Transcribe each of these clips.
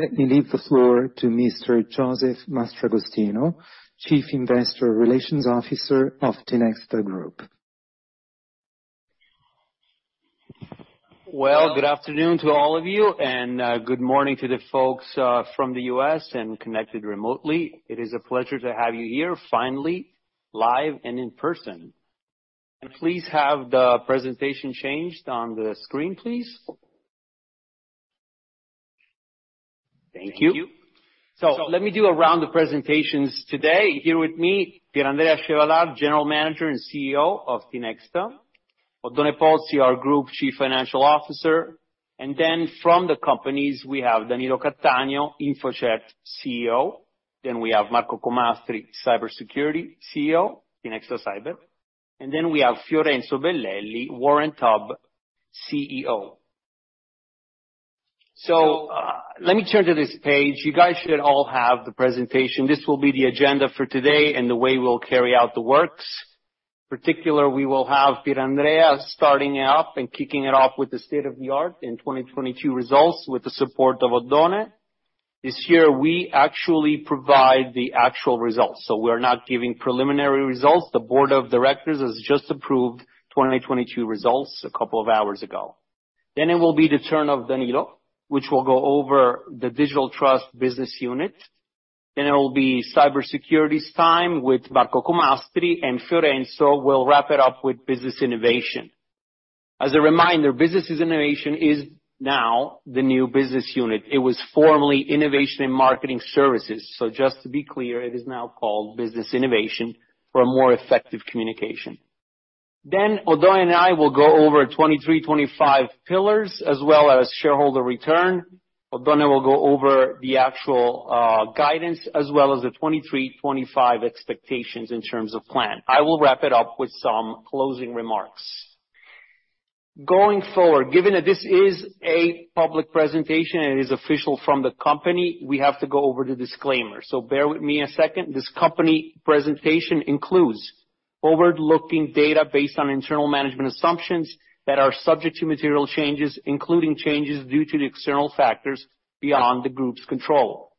Let me leave the floor to Mr. Josef Mastragostino, Chief Investor Relations Officer of Tinexta Group. Good afternoon to all of you, good morning to the folks from the U.S. and connected remotely. It is a pleasure to have you here finally, live and in person. Please have the presentation changed on the screen, please. Thank you. Let me do a round of presentations today. Here with me, Pier Andrea Chevallard, General Manager and CEO of Tinexta. Oddone Pozzi, our Group Chief Financial Officer. From the companies, we have Danilo Cattaneo, InfoCert CEO. We have Marco Comastri, Cybersecurity CEO, Tinexta Cyber. We have Fiorenzo Bellelli, Warrant Hub CEO. Let me turn to this page. You guys should all have the presentation. This will be the agenda for today and the way we'll carry out the works. We will have Pier Andrea starting it up and kicking it off with the state of the art in 2022 results with the support of Oddone. This year, we actually provide the actual results. We're not giving preliminary results. The board of directors has just approved 2022 results a couple of hours ago. It will be the turn of Danilo, which will go over the Digital Trust business unit. It will be cybersecurity's time with Marco Comastri, and Fiorenzo will wrap it up with Business Innovation. As a reminder, Business Innovation is now the new business unit. It was formerly innovation and marketing services. Just to be clear, it is now called Business Innovation for a more effective communication. Oddone and I will go over 2023-2025 pillars, as well as shareholder return. Oddone will go over the actual guidance as well as the 2023, 2025 expectations in terms of plan. I will wrap it up with some closing remarks. Going forward, given that this is a public presentation and is official from the company, we have to go over the disclaimer. Bear with me a second. This company presentation includes forward-looking data based on internal management assumptions that are subject to material changes, including changes due to the external factors beyond the group's control.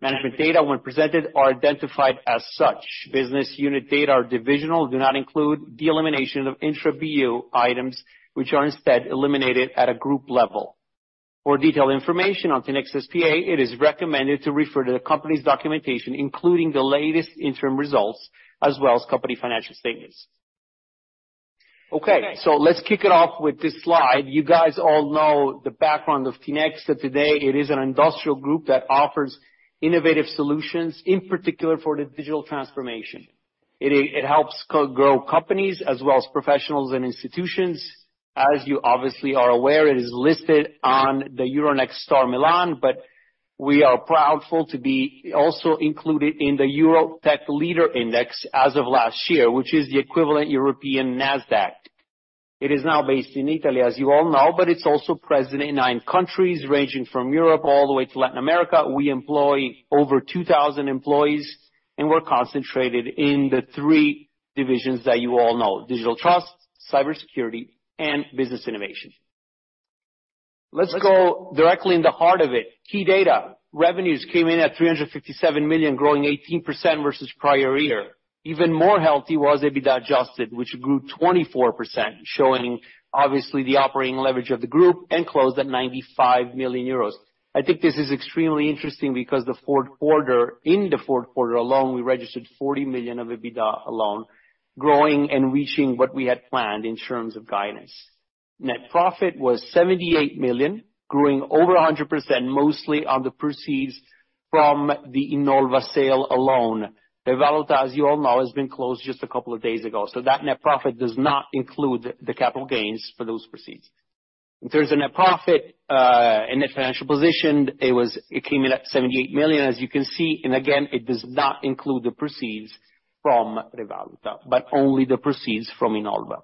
Management data, when presented, are identified as such. Business unit data are divisional, do not include the elimination of intra-BU items, which are instead eliminated at a group level. For detailed information on Tinexta S.p.A., it is recommended to refer to the company's documentation, including the latest interim results as well as company financial statements. Okay, let's kick it off with this slide. You guys all know the background of Tinexta today. It is an industrial group that offers innovative solutions, in particular for the digital transformation. It helps grow companies as well as professionals and institutions. As you obviously are aware, it is listed on the Euronext STAR Milan. We are proudful to be also included in the Europe's Tech Leaders Index as of last year, which is the equivalent European Nasdaq. It is now based in Italy, as you all know. It's also present in nine countries, ranging from Europe all the way to Latin America. We employ over 2,000 employees. We're concentrated in the three divisions that you all know, Digital Trust, Cybersecurity, and Business Innovation. Let's go directly in the heart of it. Key data. Revenues came in at 357 million, growing 18% versus prior year. Even more healthy was EBITDA adjusted, which grew 24%, showing obviously the operating leverage of the group and closed at 95 million euros. I think this is extremely interesting because in the fourth quarter alone, we registered 40 million of EBITDA alone, growing and reaching what we had planned in terms of guidance. Net profit was 78 million, growing over 100%, mostly on the proceeds from the Innolva sale alone. ReValuta, as you all know, has been closed just a couple of days ago. That net profit does not include the capital gains for those proceeds. In terms of net profit, net financial position, It came in at 78 million, as you can see. Again, it does not include the proceeds from ReValuta, but only the proceeds from Innolva.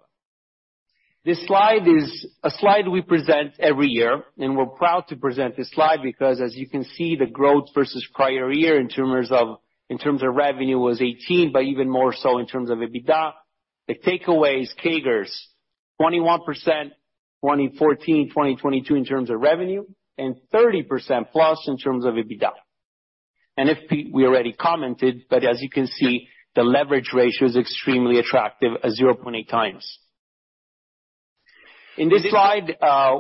This slide is a slide we present every year. We're proud to present this slide because, as you can see, the growth versus prior year in terms of, in terms of revenue was 18, but even more so in terms of EBITDA. The takeaway is CAGR, 21%, 2014, 2022 in terms of revenue, and 30%+ in terms of EBITDA. We already commented, but as you can see, the leverage ratio is extremely attractive at 0.8x. In this slide,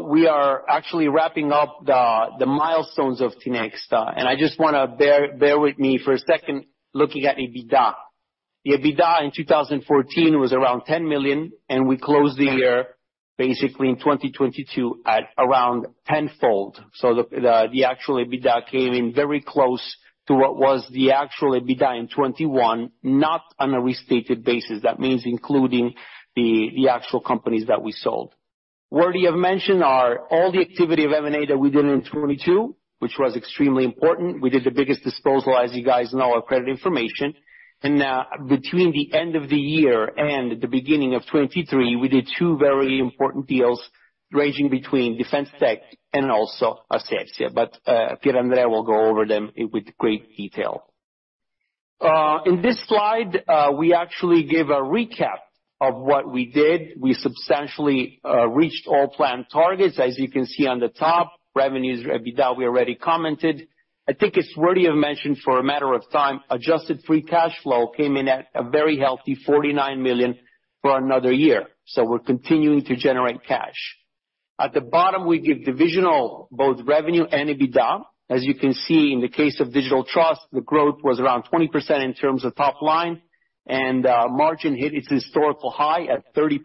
we are actually wrapping up the milestones of Tinexta. I just bear with me for a second looking at EBITDA. The EBITDA in 2014 was around 10 million. We closed the year basically in 2022 at around tenfold. The actual EBITDA came in very close to what was the actual EBITDA in 2021, not on a restated basis. That means including the actual companies that we sold. Worthy of mention are all the activity of M&A that we did in 2022, which was extremely important. We did the biggest disposal, as you guys know, of credit information. And between the end of the year and the beginning of 2023, we did two very important deals ranging between Defence Tech and also Ansercya. Pier Andrea will go over them with great detail. In this slide, we actually give a recap of what we did. We substantially reached all planned targets. As you can see on the top, revenues, EBITDA, we already commented. I think it's worthy of mention for a matter of time, adjusted free cash flow came in at a very healthy 49 million for another year, so we're continuing to generate cash. At the bottom, we give divisional both revenue and EBITDA. As you can see, in the case of Digital Trust, the growth was around 20% in terms of top line, and margin hit its historical high at 30%,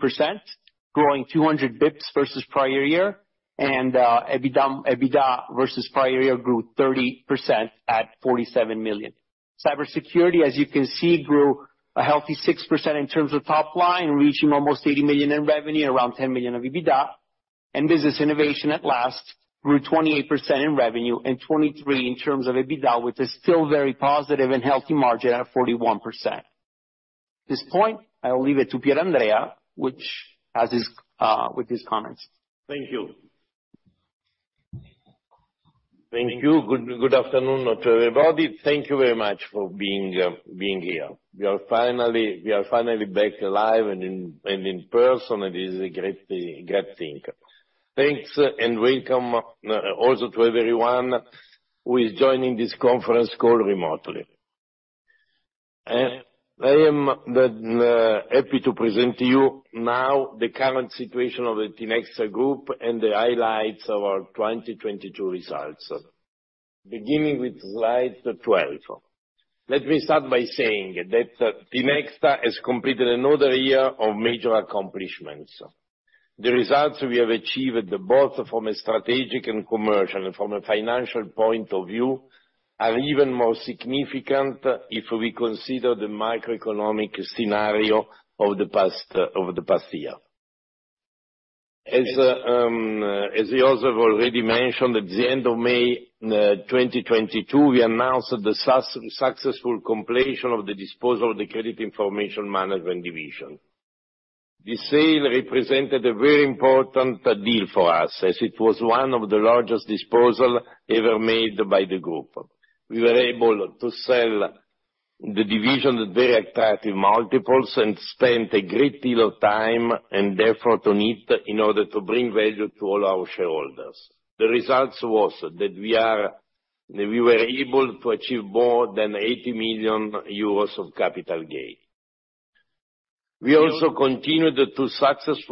growing 200 basis points versus prior year, and EBITDA versus prior year grew 30% at 47 million. Cybersecurity, as you can see, grew a healthy 6% in terms of top line, reaching almost 80 million in revenue, around 10 million of EBITDA. Business Innovation at last, grew 28% in revenue and 23% in terms of EBITDA, which is still very positive and healthy margin at 41%. This point, I will leave it to Pier Andrea, which has his with his comments. Thank you. Thank you. Good afternoon to everybody. Thank you very much for being here. We are finally back alive and in person, this is a great thing. Thanks, welcome also to everyone who is joining this conference call remotely. I am happy to present to you now the current situation of the Tinexta Group and the highlights of our 2022 results. Beginning with slide 12. Let me start by saying that Tinexta has completed another year of major accomplishments. The results we have achieved, both from a strategic and commercial and from a financial point of view, are even more significant if we consider the macroeconomic scenario of the past year. As we also have already mentioned, at the end of May 2022, we announced the successful completion of the disposal of the Credit Information & Management division. The sale represented a very important deal for us, as it was one of the largest disposal ever made by the group. We were able to sell the division at very attractive multiples and spent a great deal of time and effort on it in order to bring value to all our shareholders. The result was that we were able to achieve more than 80 million euros of capital gain. We also continued to successfully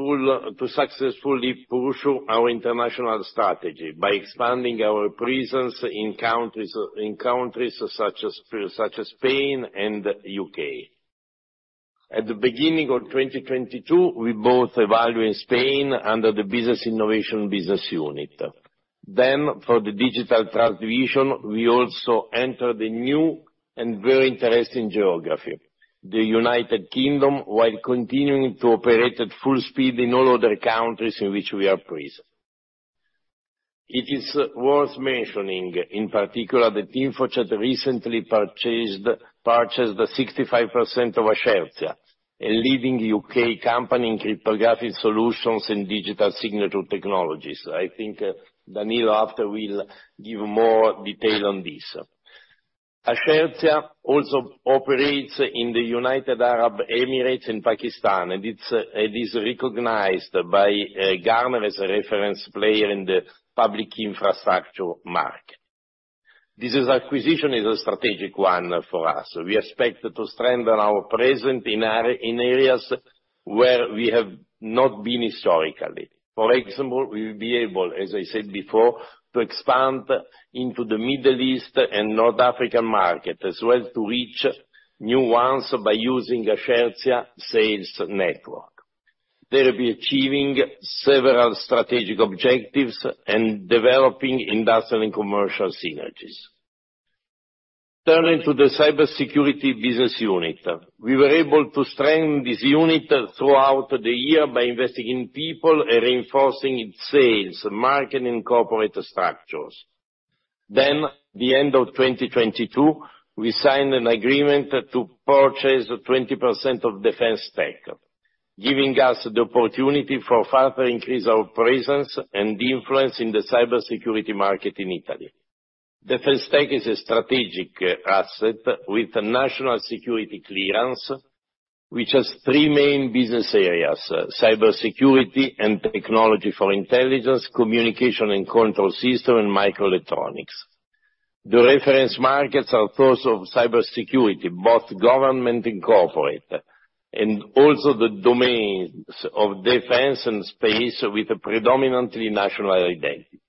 pursue our international strategy by expanding our presence in countries such as Spain and U.K. At the beginning of 2022, we bought Evalue Spain under the Business Innovation business unit. For the digital trust division, we also entered a new and very interesting geography, the United Kingdom, while continuing to operate at full speed in all other countries in which we are present. It is worth mentioning, in particular, that InfoCert recently purchased 65% of Ascertia, a leading U.K. company in cryptographic solutions and digital signature technologies. I think Danilo after will give more detail on this. Ascertia also operates in the United Arab Emirates and Pakistan, and it is recognized by Gartner as a reference player in the public infrastructure market. This acquisition is a strategic one for us. We expect to strengthen our presence in areas where we have not been historically. For example, we will be able, as I said before, to expand into the Middle East and North African market, as well as to reach new ones by using Ascertia sales network. They will be achieving several strategic objectives and developing industrial and commercial synergies. Turning to the cybersecurity business unit. We were able to strengthen this unit throughout the year by investing in people and reinforcing its sales, marketing, and corporate structures. The end of 2022, we signed an agreement to purchase 20% of Defence Tech, giving us the opportunity for further increase our presence and influence in the cybersecurity market in Italy. Defence Tech is a strategic asset with national security clearance, which has three main business areas: cybersecurity and technology for intelligence, communication and control system, and microelectronics. The reference markets are those of cybersecurity, both government and corporate, and also the domains of defense and space with a predominantly national identity.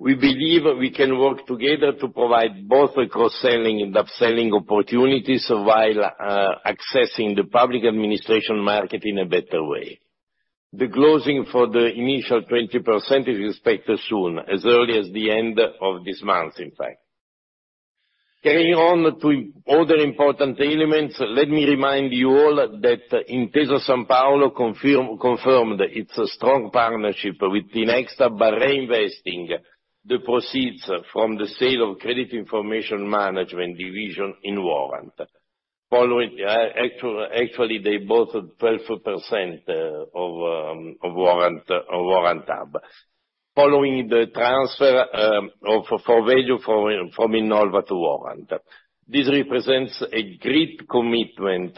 We believe we can work together to provide both the cross-selling and upselling opportunities while accessing the public administration market in a better way. The closing for the initial 20% is expected soon, as early as the end of this month, in fact. Carrying on to other important elements, let me remind you all that Intesa Sanpaolo confirmed its strong partnership with Tinexta by reinvesting the proceeds from the sale of Credit Information Management division in Warrant. Following, actually they bought 12%, of Warrant Hub. Following the transfer, of Forvalue from Innolva to Warrant. This represents a great commitment,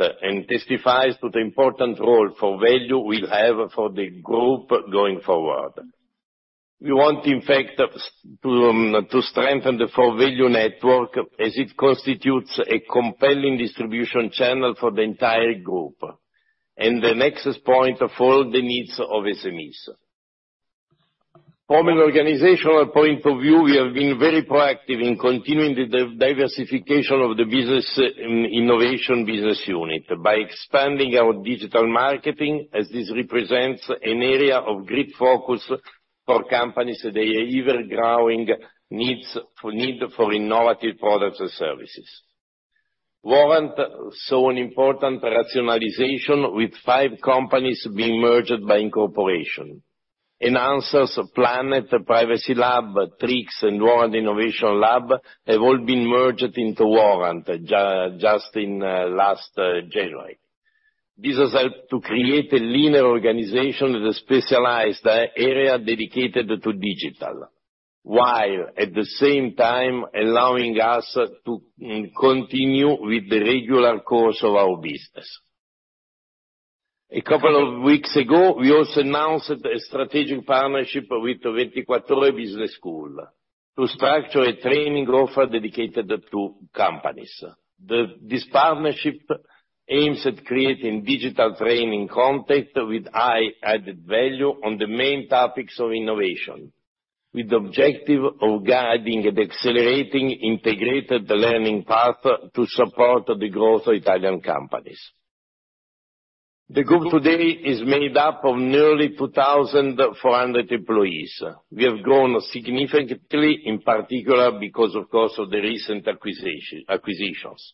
testifies to the important role Forvalue will have for the group going forward. We want, in fact, to strengthen the Forvalue network as it constitutes a compelling distribution channel for the entire group, and the nexus point of all the needs of SMEs. From an organizational point of view, we have been very proactive in continuing the diversification of the business in Innovation business unit by expanding our digital marketing, as this represents an area of great focus for companies that they are either growing needs for innovative products and services. Warrant, an important rationalization with five companies being merged by incorporation. Enhancers, Plannet, Privacy Lab, Trix, and Warrant Innovation Lab have all been merged into Warrant just in last January. This has helped to create a linear organization with a specialized area dedicated to digital, while at the same time allowing us to continue with the regular course of our business. A couple of weeks ago, we also announced a strategic partnership with Il Sole 24 Ore Business School to structure a training offer dedicated to companies. This partnership aims at creating digital training content with high added value on the main topics of innovation, with the objective of guiding and accelerating integrated learning path to support the growth of Italian companies. The group today is made up of nearly 2,400 employees. We have grown significantly, in particular because of course of the recent acquisitions.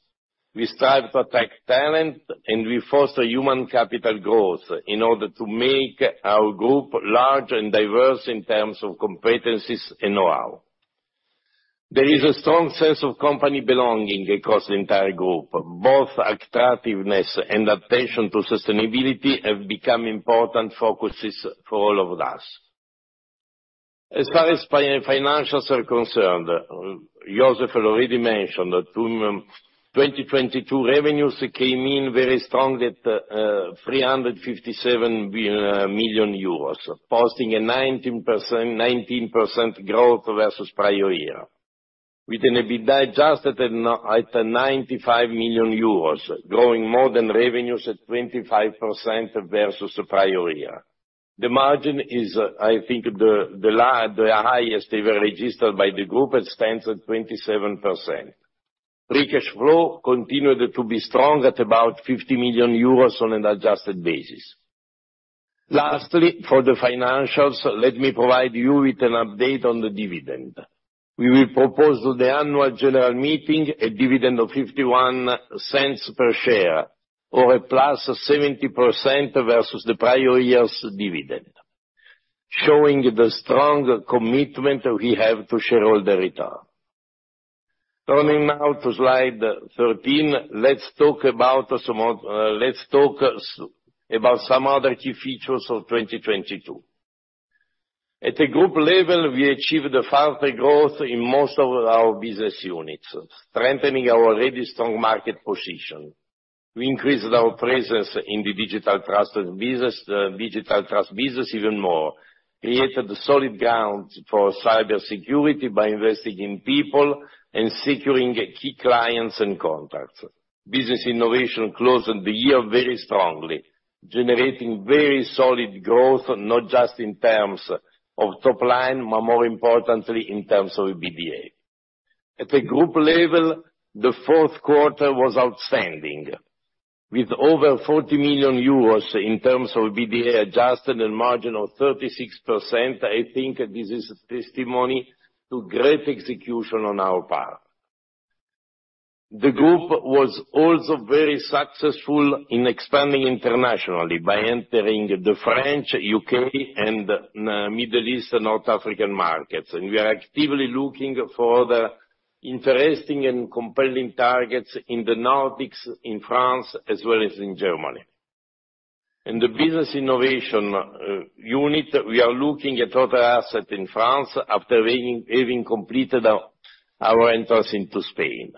We strive to attract talent, and we foster human capital growth in order to make our group large and diverse in terms of competencies and know-how. There is a strong sense of company belonging across the entire group. Both attractiveness and attention to sustainability have become important focuses for all of us. As far as financials are concerned, Josef has already mentioned that in 2022 revenues came in very strong at 357 million euros, posting a 19% growth versus prior year. With an EBITDA adjusted at 95 million euros, growing more than revenues at 25% versus the prior year. The margin is, I think the highest ever registered by the group, it stands at 27%. Free cash flow continued to be strong at about 50 million euros on an adjusted basis. Lastly, for the financials, let me provide you with an update on the dividend. We will propose to the Annual General Meeting a dividend of 0.51 per share, or a +70% versus the prior year's dividend, showing the strong commitment we have to shareholder return. Turning now to slide 13. Let's talk about some other key features of 2022. At a group level, we achieved a faster growth in most of our business units, strengthening our already strong market position. We increased our presence in the digital trust business even more, created solid ground for cybersecurity by investing in people and securing key clients and contracts. Business innovation closed the year very strongly, generating very solid growth, not just in terms of top line, but more importantly in terms of EBITDA. At a group level, the fourth quarter was outstanding. With over 40 million euros in terms of EBITDA adjusted and margin of 36%, I think this is testimony to great execution on our part. The group was also very successful in expanding internationally by entering the French, U.K., and Middle East and North African markets, and we are actively looking for other interesting and compelling targets in the Nordics, in France, as well as in Germany. In the business innovation unit, we are looking at other asset in France after having completed our entrance into Spain.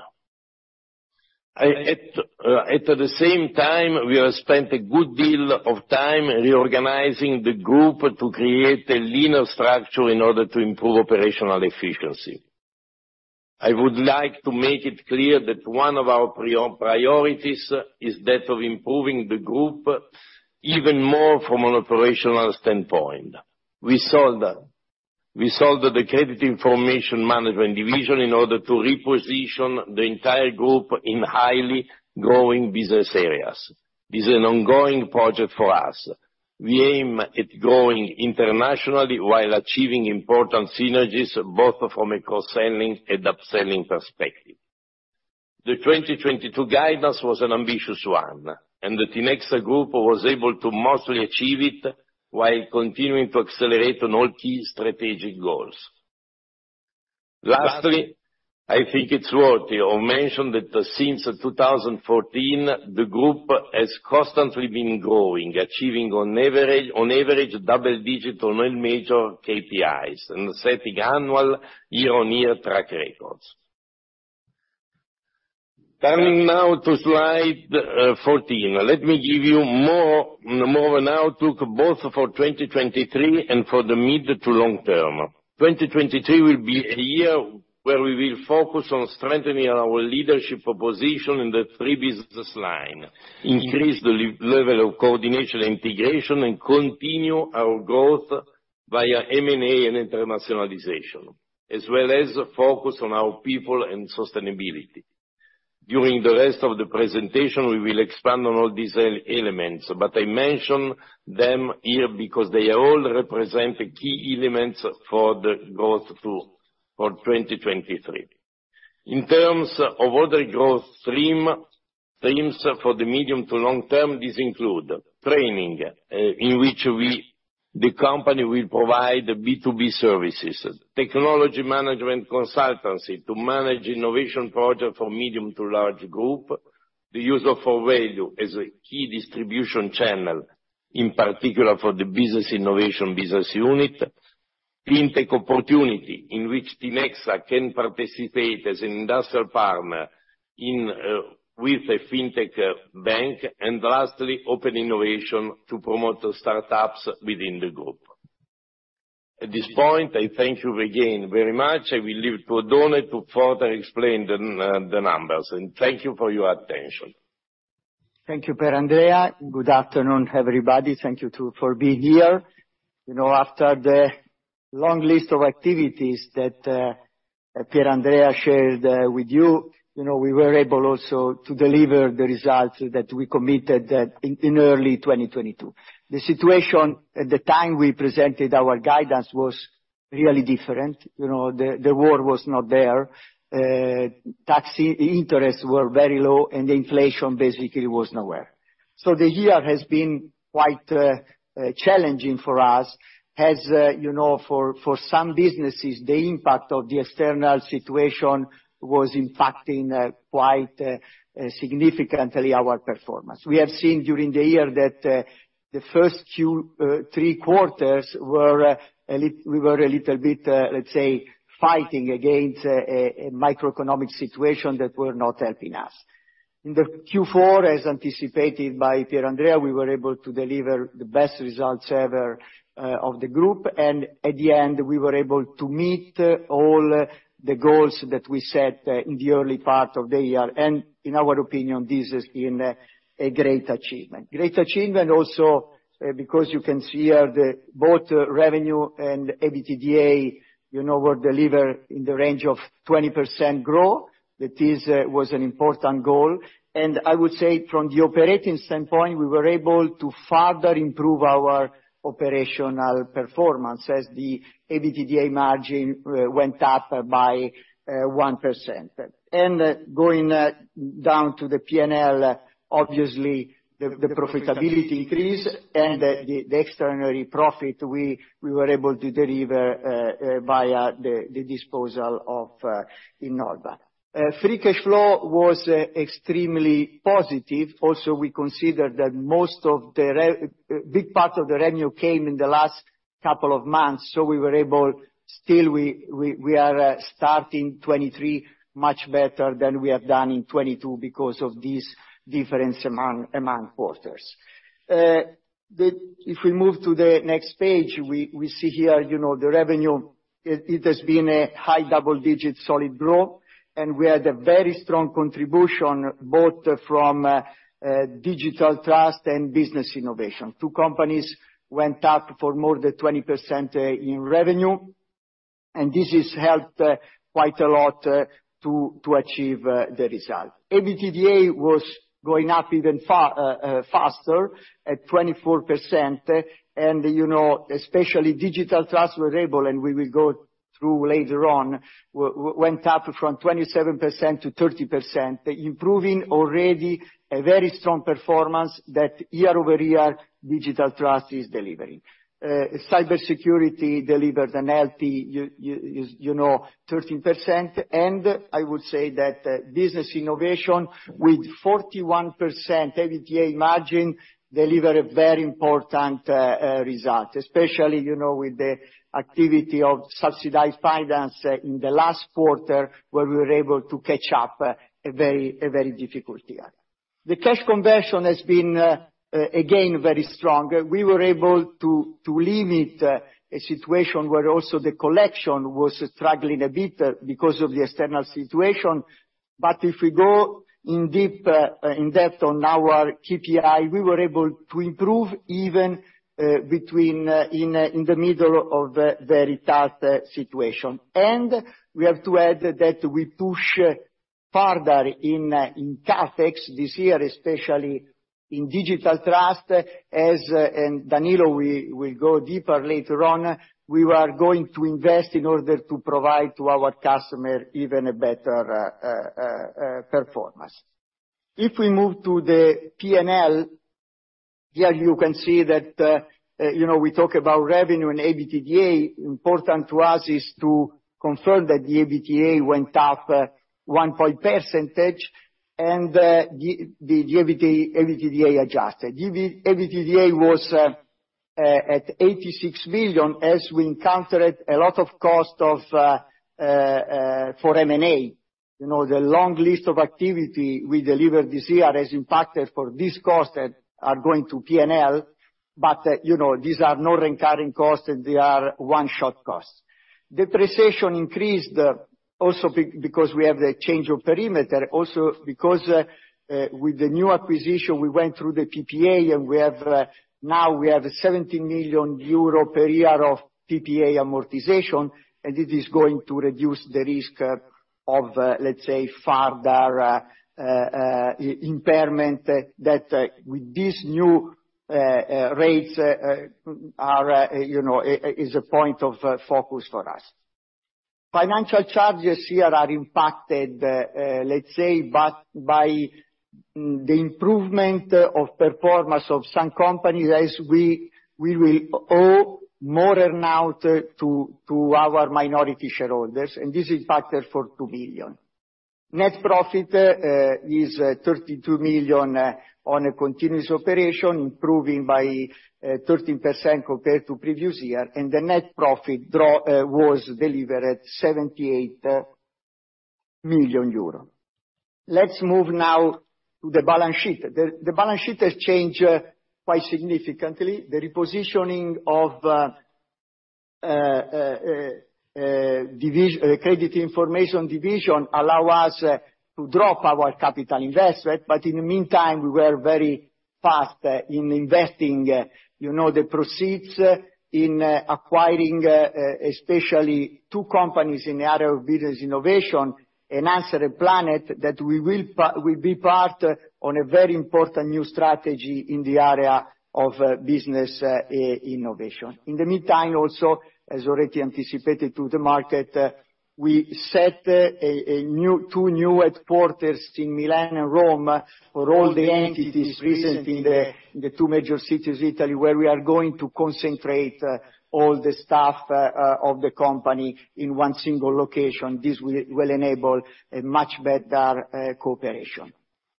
At the same time, we have spent a good deal of time reorganizing the group to create a leaner structure in order to improve operational efficiency. I would like to make it clear that one of our priorities is that of improving the group even more from an operational standpoint. We sold the Credit Information Management division in order to reposition the entire group in highly growing business areas. This is an ongoing project for us. We aim at growing internationally while achieving important synergies both from a cross-selling and up-selling perspective. The 2022 guidance was an ambitious one. The Tinexta Group was able to mostly achieve it while continuing to accelerate on all key strategic goals. Lastly, I think it's worthy of mention that since 2014, the group has constantly been growing, achieving on average double-digit on all major KPIs and setting annual year-on-year track records. Turning now to slide 14. Let me give you more an outlook both for 2023 and for the mid to long term. 2023 will be a year where we will focus on strengthening our leadership position in the three business line, increase the level of coordination and integration, continue our growth via M&A and internationalization, as well as focus on our people and sustainability. During the rest of the presentation, we will expand on all these elements. I mention them here because they all represent key elements for the growth for 2023. In terms of other growth stream, themes for the medium to long term, these include training, in which we, the company will provide B2B services, technology management consultancy to manage innovation projects for medium to large group, the use of Forvalue as a key distribution channel, in particular for the business innovation business unit, fintech opportunity in which Tinexta can participate as an industrial partner with a fintech bank. Lastly, open innovation to promote startups within the group. At this point, I thank you again very much. I will leave to Oddone to further explain the numbers. Thank you for your attention. Thank you, Pier Andrea. Good afternoon, everybody. Thank you for being here. You know, after the long list of activities that Pier Andrea shared with you know, we were able also to deliver the results that we committed in early 2022. The situation at the time we presented our guidance was really different. You know, the war was not there. Tax interests were very low, and inflation basically was nowhere. The year has been quite challenging for us as, you know, for some businesses, the impact of the external situation was impacting quite significantly our performance. We have seen during the year that the first few three quarters were we were a little bit, let's say, fighting against a macroeconomic situation that were not helping us. In the Q4, as anticipated by Pier Andrea, we were able to deliver the best results ever of the group, and at the end, we were able to meet all the goals that we set in the early part of the year. In our opinion, this has been a great achievement. Great achievement also because you can see here the both revenue and EBITDA, you know, were delivered in the range of 20% growth. That was an important goal. I would say from the operating standpoint, we were able to further improve our operational performance as the EBITDA margin went up by 1%. Going down to the P&L, obviously, the profitability increase and the extraordinary profit we were able to deliver via the disposal of Innolva. Free cash flow was extremely positive. We consider that most of the big part of the revenue came in the last couple of months, we were able... Still we are starting 2023 much better than we have done in 2022 because of this difference among quarters. If we move to the next page, we see here, you know, the revenue, it has been a high double digit solid growth, we had a very strong contribution both from Digital Trust and Business Innovation. Two companies went up for more than 20% in revenue, this has helped quite a lot to achieve the result. EBITDA was going up even faster at 24%. You know, especially digital trust was able, and we will go through later on, went up from 27% to 30%, improving already a very strong performance that year-over-year digital trust is delivering. Cybersecurity delivered a healthy, you know, 13%. I would say that business innovation with 41% EBITDA margin deliver a very important result, especially, you know, with the activity of subsidized finance in the last quarter where we were able to catch up a very difficult year. The cash conversion has been again, very strong. We were able to limit a situation where also the collection was struggling a bit because of the external situation. If we go in deep, in-depth on our KPI, we were able to improve even between in the middle of the retail situation. We have to add that we push further in CapEx this year, especially in digital trust as and Danilo will go deeper later on. We are going to invest in order to provide to our customer even a better performance. If we move to the P&L. Here you can see that, you know, we talk about revenue and EBITDA, important to us is to confirm that the EBITDA went up 1 point percentage and the EBITDA adjusted. EBITDA was at 86 billion as we encountered a lot of cost of for M&A. You know, the long list of activity we delivered this year has impacted for this cost that are going to P&L, but, you know, these are non-recurring costs, and they are one-shot costs. Depreciation increased, because we have the change of perimeter, also because, with the new acquisition, we went through the PPA, and we have, now we have a 70 million euro per year of PPA amortization, and it is going to reduce the risk of, let's say, further impairment that, with these new rates, are, you know, is a point of focus for us. Financial charges here are impacted, let's say, but by the improvement of performance of some companies as we will owe more than out to our minority shareholders, and this impacted for 2 billion. Net profit is 32 million on a continuous operation, improving by 13% compared to previous year, and the net profit was delivered 78 million euro. Let's move now to the balance sheet. The balance sheet has changed quite significantly. The repositioning of Credit Information division allow us to drop our capital investment, but in the meantime, we were very fast in investing, you know, the proceeds in acquiring especially two companies in the area of business innovation and Plannet that we will be part on a very important new strategy in the area of business innovation. In the meantime, also, as already anticipated to the market, we set a new. Two new headquarters in Milan and Rome for all the entities present in the two major cities, Italy, where we are going to concentrate all the staff of the company in one single location. This will enable a much better cooperation.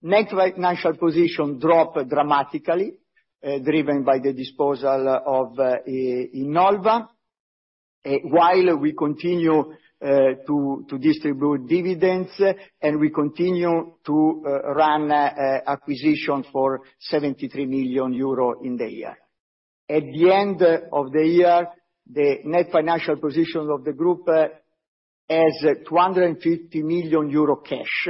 Net financial position dropped dramatically, driven by the disposal of Innolva. While we continue to distribute dividends and we continue to run acquisition for 73 million euro in the year. At the end of the year, the net financial position of the group has 250 million euro cash.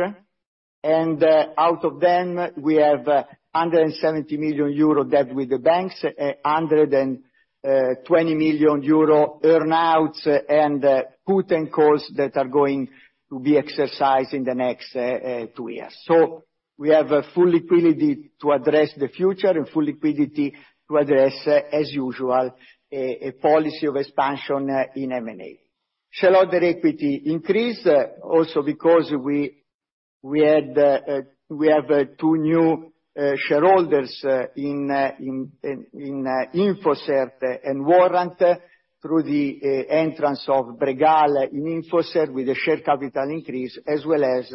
Out of them, we have 170 million euro debt with the banks, 120 million euro earn-outs and put and calls that are going to be exercised in the next two years. We have a full liquidity to address the future and full liquidity to address, as usual, a policy of expansion in M&A. Shareholder equity increased also because we have two new shareholders in InfoCert and Warrant through the entrance of Bregal in InfoCert with a share capital increase as well as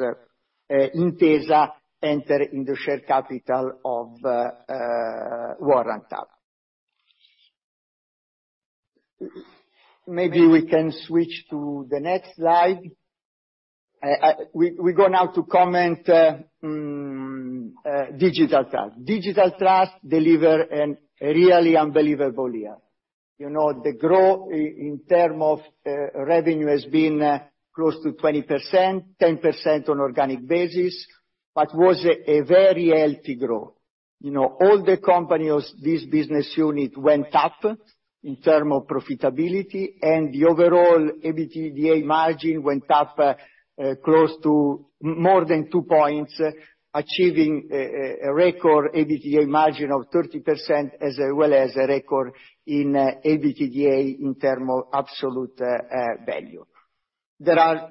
Intesa enter in the share capital of Warrant. Maybe we can switch to the next slide. We go now to comment Digital Trust. Digital Trust deliver an really unbelievable year. You know, the growth in term of revenue has been close to 20%, 10% on organic basis. Was a very healthy growth. You know, all the companies, this business unit went up in term of profitability and the overall EBITDA margin went up close to more than 2 points, achieving a record EBITDA margin of 30% as well as a record in EBITDA in term of absolute value. There are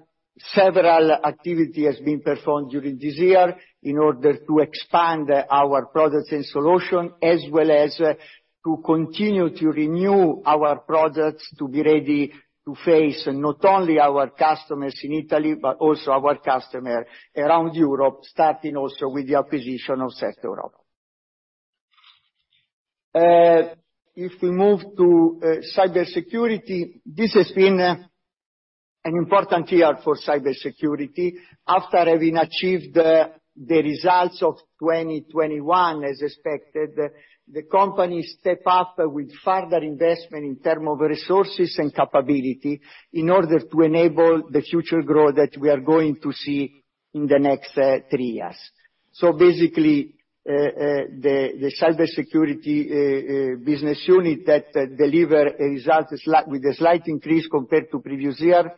several activity has been performed during this year in order to expand our products and solution as well as to continue to renew our products to be ready to face not only our customers in Italy, but also our customer around Europe, starting also with the acquisition of Set Europe. If we move to cybersecurity, this has been an important year for cybersecurity. After having achieved the results of 2021 as expected, the company step up with further investment in term of resources and capability in order to enable the future growth that we are going to see in the next three years. Basically, the cybersecurity business unit that deliver a result with a slight increase compared to previous year,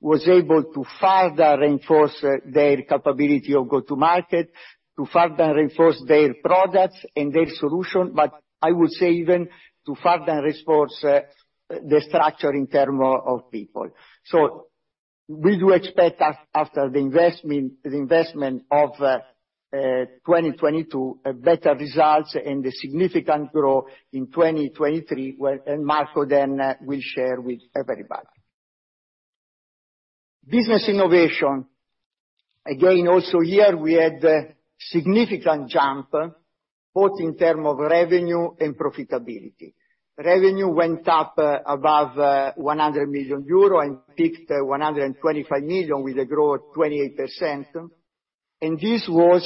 was able to further reinforce their capability of go-to-market, to further reinforce their products and their solution, but I would say even to further reinforce the structure in term of people. We do expect after the investment of 2022, better results and the significant growth in 2023 where, and Marco then will share with everybody. Business innovation. Again, also here we had a significant jump, both in term of revenue and profitability. Revenue went up above 100 million euro and peaked 125 million with a growth 28%. This was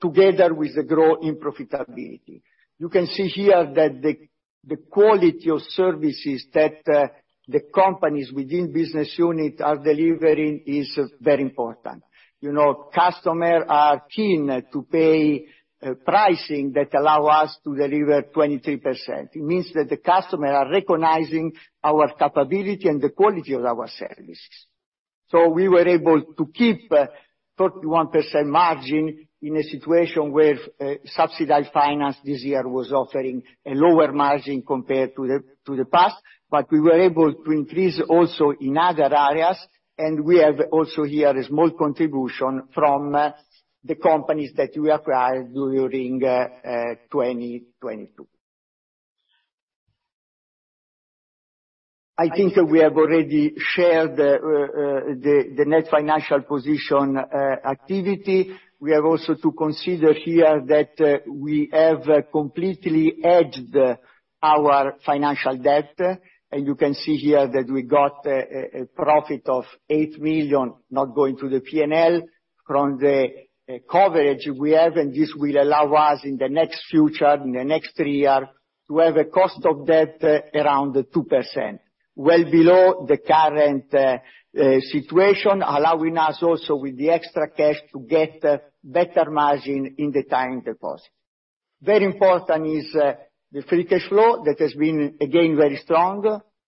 together with the growth in profitability. You can see here that the quality of services that the companies within business unit are delivering is very important. You know, customer are keen to pay pricing that allow us to deliver 23%. It means that the customer are recognizing our capability and the quality of our services. We were able to keep a 31% margin in a situation where subsidized finance this year was offering a lower margin compared to the past. We were able to increase also in other areas, and we have also here a small contribution from the companies that we acquired during 2022. I think that we have already shared the net financial position activity. We have also to consider here that we have completely hedged our financial debt, and you can see here that we got a profit of 8 million not going to the P&L from the coverage we have. This will allow us in the next future, in the next three years, to have a cost of debt around 2%, well below the current situation, allowing us also with the extra cash to get better margin in the time deposit. Very important is the free cash flow that has been again very strong.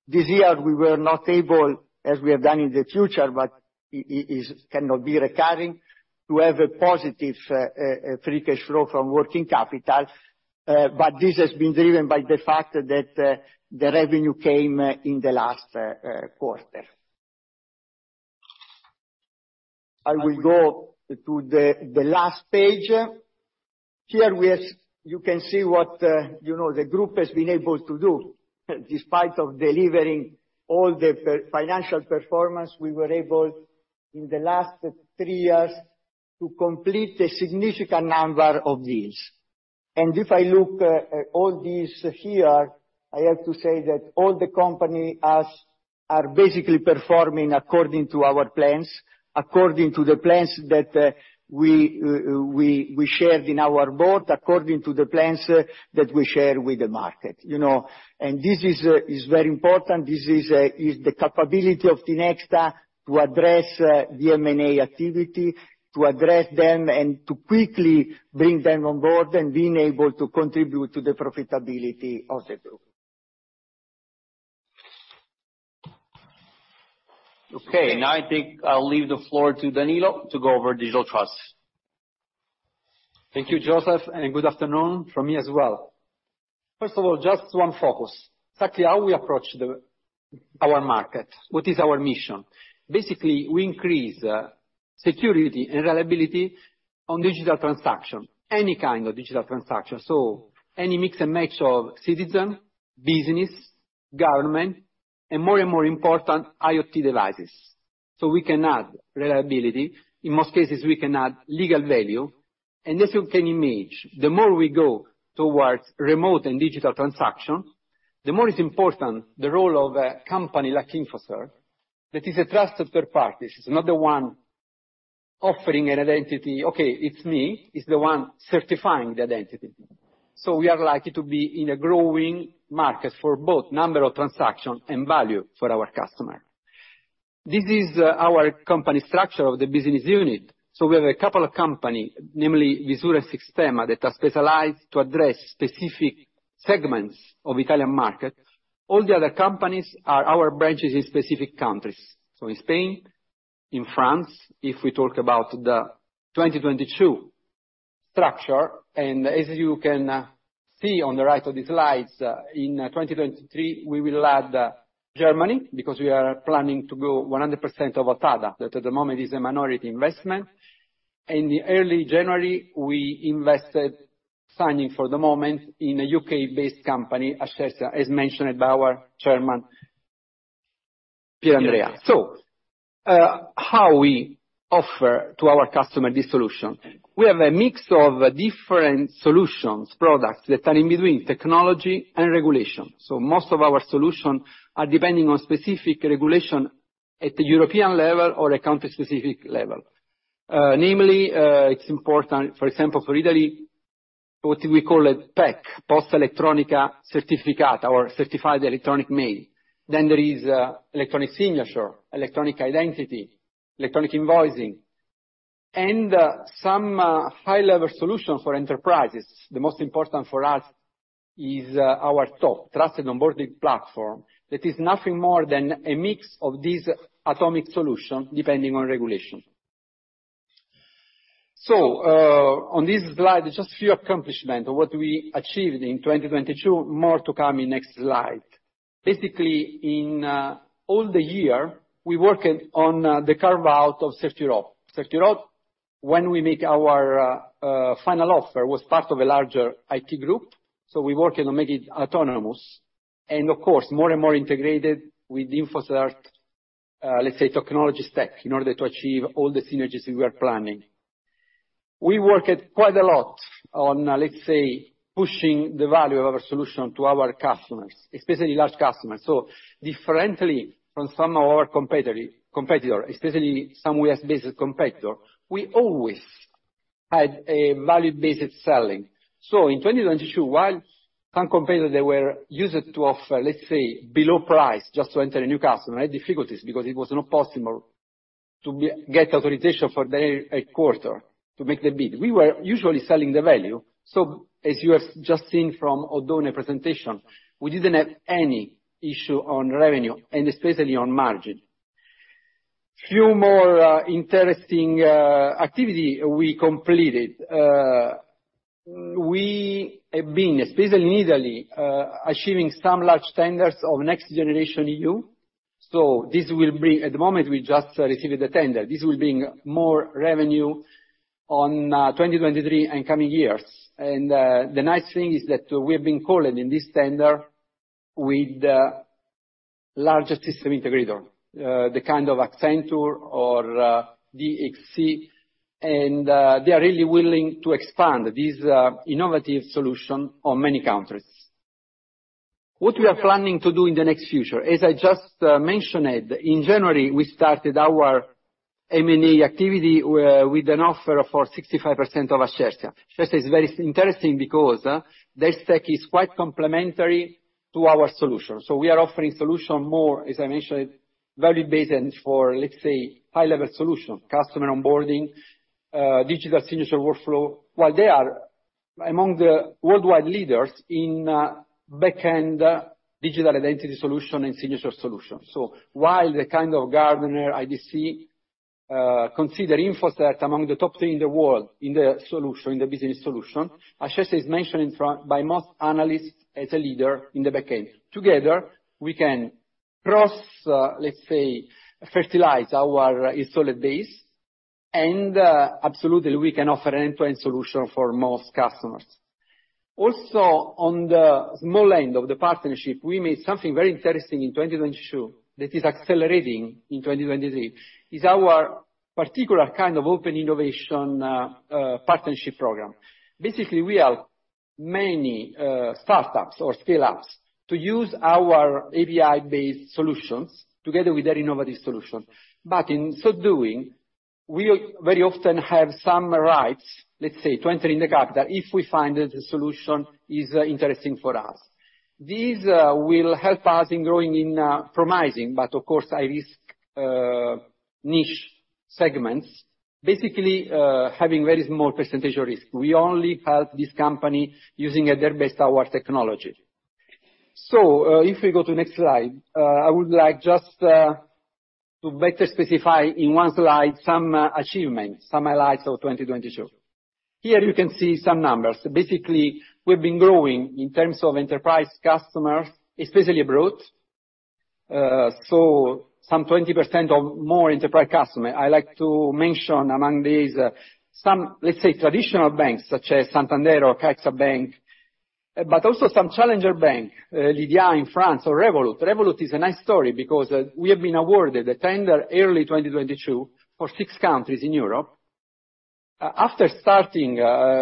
This year we were not able, as we have done in the future, but it cannot be recurring, to have a positive free cash flow from working capital This has been driven by the fact that the revenue came in the last quarter. I will go to the last page. Here we are. You can see what, you know, the group has been able to do. Despite of delivering all the financial performance, we were able, in the last three years, to complete a significant number of deals. If I look at all these here, I have to say that all the company are basically performing according to our plans, according to the plans that we shared in our board, according to the plans that we shared with the market, you know. This is very important. This is the capability of Tinexta to address the M&A activity, to address them and to quickly bring them on board and being able to contribute to the profitability of the group. Okay, now I think I'll leave the floor to Danilo to go over Digital Trust. Thank you, Joseph. Good afternoon from me as well. First of all, just one focus. Exactly how we approach our market. What is our mission? Basically, we increase security and reliability on digital transaction, any kind of digital transaction, any mix and match of citizen, business, government, and more and more important, IoT devices. We can add reliability. In most cases, we can add legal value. As you can imagine, the more we go towards remote and digital transaction, the more it's important the role of a company like InfoCert that is a trusted third party. It's not the one offering an identity. Okay, it's me. It's the one certifying the identity. We are likely to be in a growing market for both number of transactions and value for our customer. This is our company structure of the business unit. We have a couple of company, namely Visura, Sixtema, that are specialized to address specific segments of Italian market. All the other companies are our branches in specific countries. In Spain, in France, if we talk about the 2022 structure, and as you can see on the right of the slides, in 2023, we will add Germany because we are planning to go 100% of Authada, that at the moment is a minority investment. In early January, we invested, signing for the moment in a U.K.-based company, Ascertia, as mentioned by our chairman, Pier Andrea. How we offer to our customer this solution? We have a mix of different solutions, products that are in between technology and regulation. Most of our solution are depending on specific regulation at the European level or a country-specific level. Namely, it's important, for example, for Italy, what do we call it? PEC, Posta Elettronica Certificata or certified electronic mail. There is electronic signature, electronic identity, electronic invoicing, and some high-level solutions for enterprises. The most important for us is our TOP, Trusted Onboarding Platform. That is nothing more than a mix of these atomic solution depending on regulation. On this slide is just few accomplishment of what we achieved in 2022. More to come in next slide. In all the year, we working on the carve out of CertEurope. CertEurope, when we make our final offer, was part of a larger IT group, we working on making it autonomous. Of course, more and more integrated with InfoCert, let's say, technology stack in order to achieve all the synergies we are planning. We worked quite a lot on, let's say, pushing the value of our solution to our customers, especially large customers. Differently from some of our competitor, especially some U.S.-based competitor, we always had a value-based selling. In 2022, while some competitors, they were used to offer, let's say, below price just to enter a new customer, had difficulties because it was not possible to get authorization for their quarter to make the bid. We were usually selling the value. As you have just seen from Oddone presentation, we didn't have any issue on revenue and especially on margin. Few more interesting activity we completed. We have been, especially in Italy, achieving some large tenders of NextGenerationEU. At the moment, we just received the tender. This will bring more revenue on 2023 and coming years. The nice thing is that we have been called in this tender with the largest system integrator, the kind of Accenture or DXC. They are really willing to expand this innovative solution on many countries. What we are planning to do in the next future, as I just mentioned, in January, we started our M&A activity with an offer for 65% of Ascertia. Ascertia is very interesting because their tech is quite complementary to our solution. We are offering solution more, as I mentioned, value-based and for, let's say, high-level solution customer onboarding, digital signature workflow, while they are among the worldwide leaders in backend digital identity solution and signature solutions. While the kind of Gartner IDC consider InfoCert among the top three in the world in the solution, the business solution, Ascertia is mentioned by most analysts as a leader in the backend. Together, we can cross, let's say, fertilize our solid base, absolutely we can offer end-to-end solution for most customers. On the small end of the partnership, we made something very interesting in 2022 that is accelerating in 2023, is our particular kind of open innovation partnership program. Basically, we help many startups or scale-ups to use our API-based solutions together with their innovative solution. In so doing, we very often have some rights, let's say, to enter in the capital if we find that the solution is interesting for us. This will help us in growing in promising, but of course, high-risk, niche segments, basically, having very small percentage of risk. We only help this company using their best of our technology. If we go to next slide, I would like just to better specify in one slide some achievement, some highlights of 2022. Here you can see some numbers. Basically, we've been growing in terms of enterprise customers, especially abroad. Some 20% or more enterprise customer. I like to mention among these, some, let's say, traditional banks such as Santander or CaixaBank, but also some challenger bank, Lydia in France or Revolut. Revolut is a nice story because we have been awarded a tender early 2022 for six countries in Europe. After starting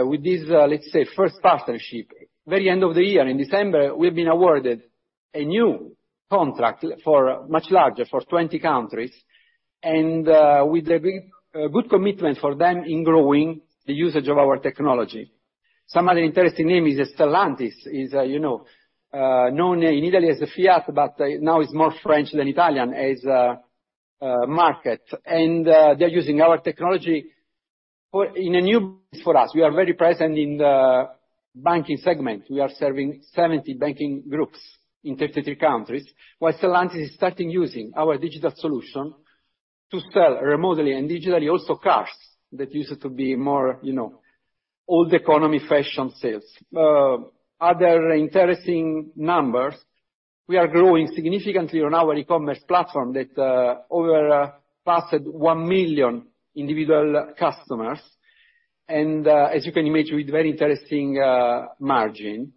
with this, let's say, first partnership, very end of the year, in December, we've been awarded a new contract for much larger, for 20 countries and with a big, good commitment for them in growing the usage of our technology. Some other interesting name is Stellantis, is, you know, known in Italy as the Fiat, now it's more French than Italian as market. They're using our technology for in a new place for us. We are very present in the banking segment. We are serving 70 banking groups in 33 countries. While Stellantis is starting using our digital solution to sell remotely and digitally also cars that used to be more, you know, old economy fashion sales. Other interesting numbers, we are growing significantly on our e-commerce platform that over passed 1 million individual customers, and as you can imagine, with very interesting margin.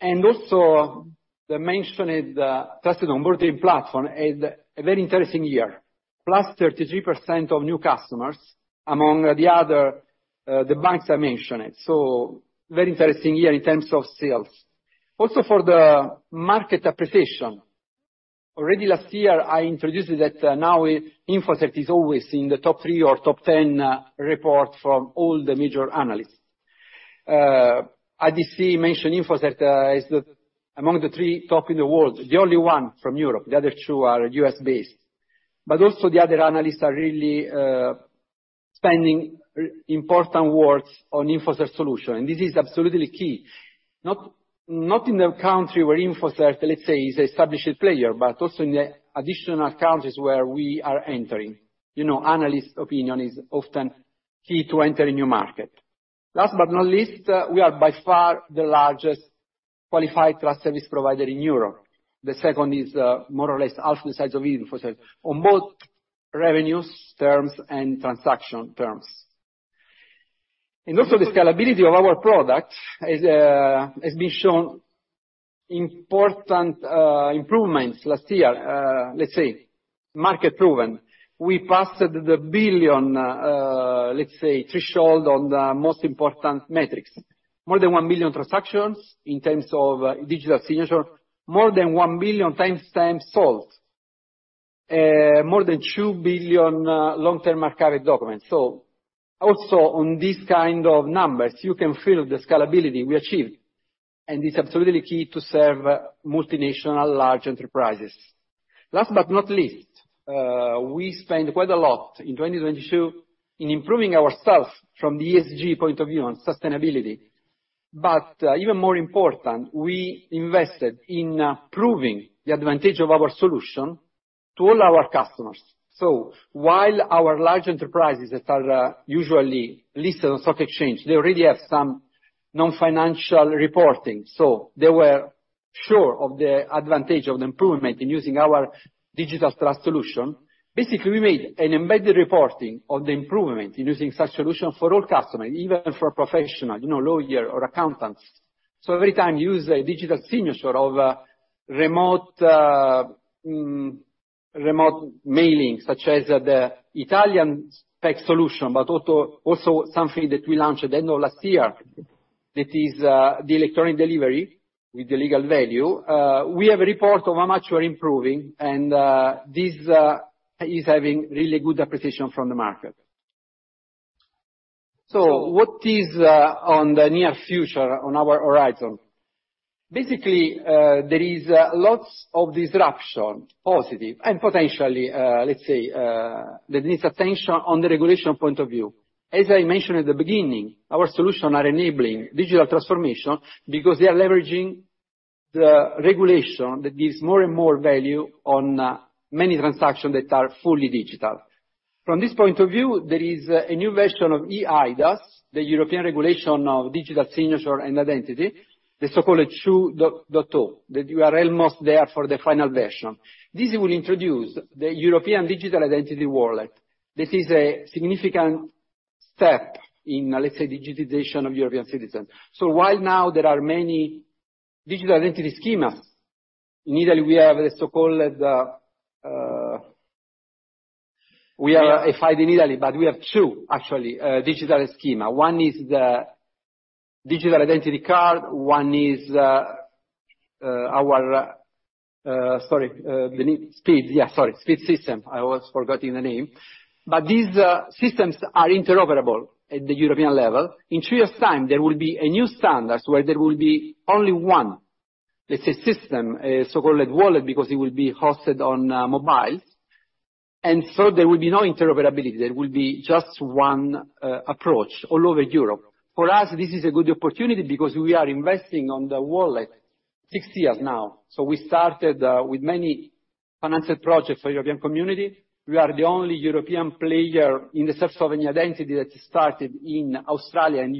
Also the mentioned Trusted Onboarding Platform had a very interesting year. Plus 33% of new customers among the other the banks I mentioned. Very interesting year in terms of sales. For the market appreciation, already last year I introduced that, now InfoCert is always in the top 3 or top 10 report from all the major analysts. IDC mentioned InfoCert as the among the 3 top in the world, the only one from Europe. The other two are U.S.-based. Also the other analysts are really spending important words on InfoCert solution. This is absolutely key. Not in the country where InfoCert, let's say, is established player, but also in the additional countries where we are entering. You know, analyst opinion is often key to enter a new market. Last but not least, we are by far the largest qualified trust service provider in Europe. The second is more or less half the size of InfoCert on both revenues terms and transaction terms. Also the scalability of our products is has been shown important improvements last year. Let's say market proven. We passed the billion, let's say, threshold on the most important metrics. More than 1 billion transactions in terms of digital signature, more than 1 billion timestamps sold. More than 2 billion long-term archived documents. Also on these kind of numbers, you can feel the scalability we achieved, and it's absolutely key to serve multinational large enterprises. Last but not least, we spent quite a lot in 2022 in improving ourselves from the ESG point of view on sustainability. Even more important, we invested in proving the advantage of our solution to all our customers. While our large enterprises that are usually listed on stock exchange, they already have some non-financial reporting. They were sure of the advantage of the improvement in using our digital trust solution. We made an embedded reporting of the improvement in using such solution for all customers, even for professional, you know, lawyer or accountants. Every time you use a digital signature of remote mailing, such as the Italian PEC solution, but also something that we launched at the end of last year, that is the electronic delivery with the legal value. We have a report of how much we're improving and this is having really good appreciation from the market. What is on the near future on our horizon? There is lots of disruption, positive and potentially, let's say, that needs attention on the regulation point of view. As I mentioned at the beginning, our solution are enabling digital transformation because they are leveraging the regulation that gives more and more value on many transactions that are fully digital. From this point of view, there is a new version of eIDAS, the European Regulation of Digital Signature and Identity, the so-called 2.0, that we are almost there for the final version. This will introduce the European Digital Identity Wallet. This is a significant step in, let's say, digitization of European citizens. While now there are many digital identity schema, in Italy, we have the so-called, we are a 5 in Italy, but we have 2, actually, digital schema. One is the digital identity card, one is, our, sorry, the name... SPID. Yeah, sorry, SPID system. I was forgetting the name. These systems are interoperable at the European level. In two years' time, there will be a new standards where there will be only one, let's say, system, so-called wallet, because it will be hosted on mobile. There will be no interoperability. There will be just one approach all over Europe. For us, this is a good opportunity because we are investing on the wallet six years now. We started with many financial projects for European Community. We are the only European player in the self-sovereign identity that started in Australia and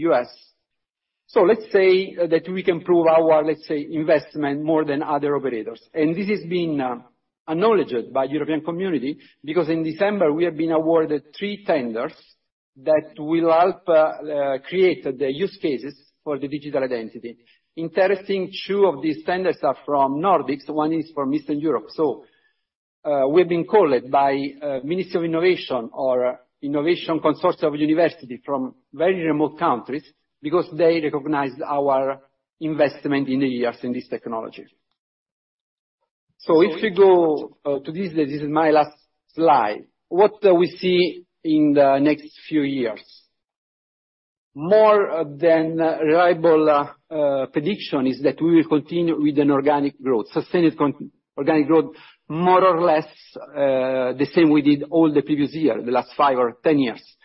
U.S. Let's say that we can prove our, let's say, investment more than other operators. This is been acknowledged by European Community because in December we have been awarded three tenders that will help create the use cases for the digital identity. Interesting, two of these tenders are from Nordics, 1 is from Eastern Europe. We've been called by Ministry of Innovation or Innovation Consortia of University from very remote countries because they recognized our investment in the years in this technology. If we go to this slide, this is my last slide. What do we see in the next few years? More than reliable prediction is that we will continue with an organic growth, sustained organic growth, more or less, the same we did all the previous year, the last 5 or 10 years.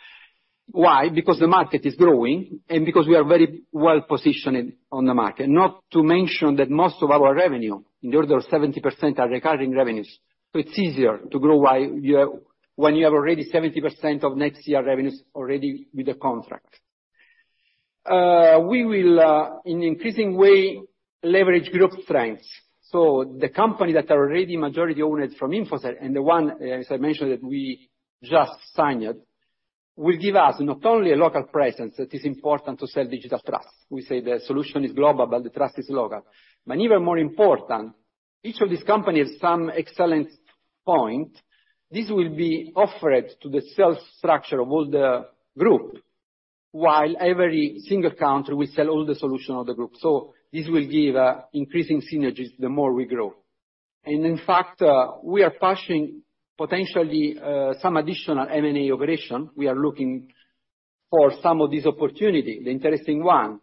Why? Because the market is growing, and because we are very well-positioned on the market. Not to mention that most of our revenue, in the order of 70%, are recurring revenues. It's easier to grow why you have... When you have already 70% of next year revenues already with the contract. We will in increasing way, leverage group strengths. The company that are already majority-owned from InfoCert and the one, as I mentioned, that we just signed, will give us not only a local presence that is important to sell digital trust. We say the solution is global, but the trust is local. Even more important, each of these companies some excellent point. This will be offered to the sales structure of all the group. While every single country, we sell all the solution of the group. This will give increasing synergies the more we grow. In fact, we are pushing, potentially, some additional M&A operation. We are looking for some of these opportunity, the interesting one.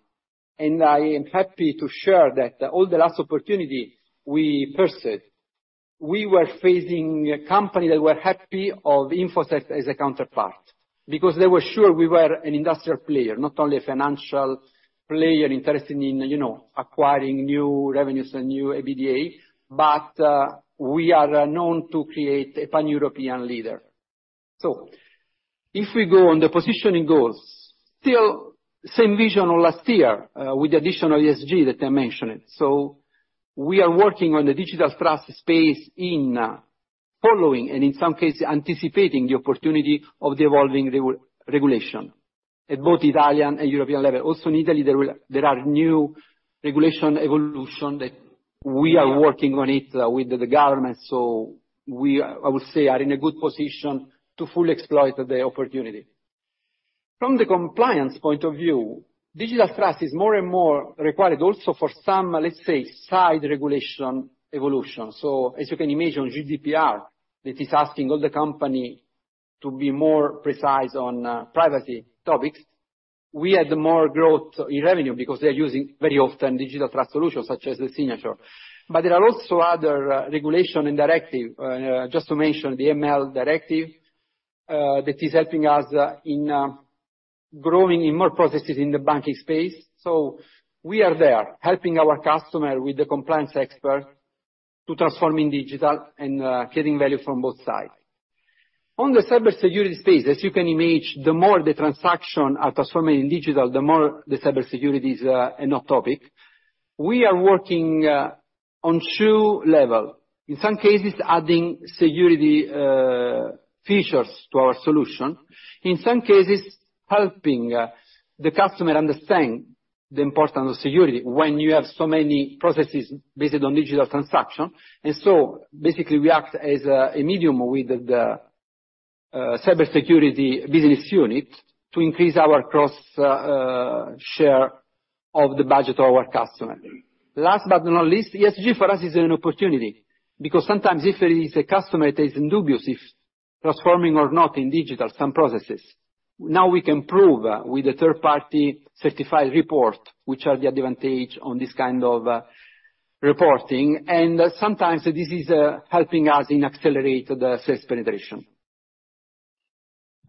I am happy to share that all the last opportunity we pursued. We were facing a company that were happy of InfoCert as a counterpart, because they were sure we were an industrial player, not only a financial player interested in, you know, acquiring new revenues and new EBITDA, but we are known to create a pan-European leader. If we go on the positioning goals, still same vision of last year, with additional ESG that I mentioned. We are working on the digital trust space in following, and in some cases anticipating, the opportunity of the evolving regulation at both Italian and European level. Also in Italy, there are new regulation evolution that we are working on it with the government. We are, I would say, in a good position to fully exploit the opportunity. From the compliance point of view, digital trust is more and more required also for some, let's say, side regulation evolution. As you can imagine, GDPR, that is asking all the company to be more precise on privacy topics. We had more growth in revenue because they are using very often digital trust solutions, such as the signature. There are also other regulation and directive, just to mention the AML directive, that is helping us in growing in more processes in the banking space. We are there, helping our customer with the compliance expert to transforming digital and getting value from both sides. On the cybersecurity space, as you can imagine, the more the transaction are transforming digital, the more the cybersecurity is a hot topic. We are working on two level. In some cases, adding security features to our solution. In some cases, helping the customer understand the importance of security when you have so many processes based on digital transaction. Basically we act as a medium with the cybersecurity business unit to increase our cross share of the budget of our customer. Last but not least, ESG for us is an opportunity, because sometimes if there is a customer that is in dubious if transforming or not in digital some processes, now we can prove with a third party certified report, which are the advantage on this kind of reporting. Sometimes this is helping us in accelerate the sales penetration.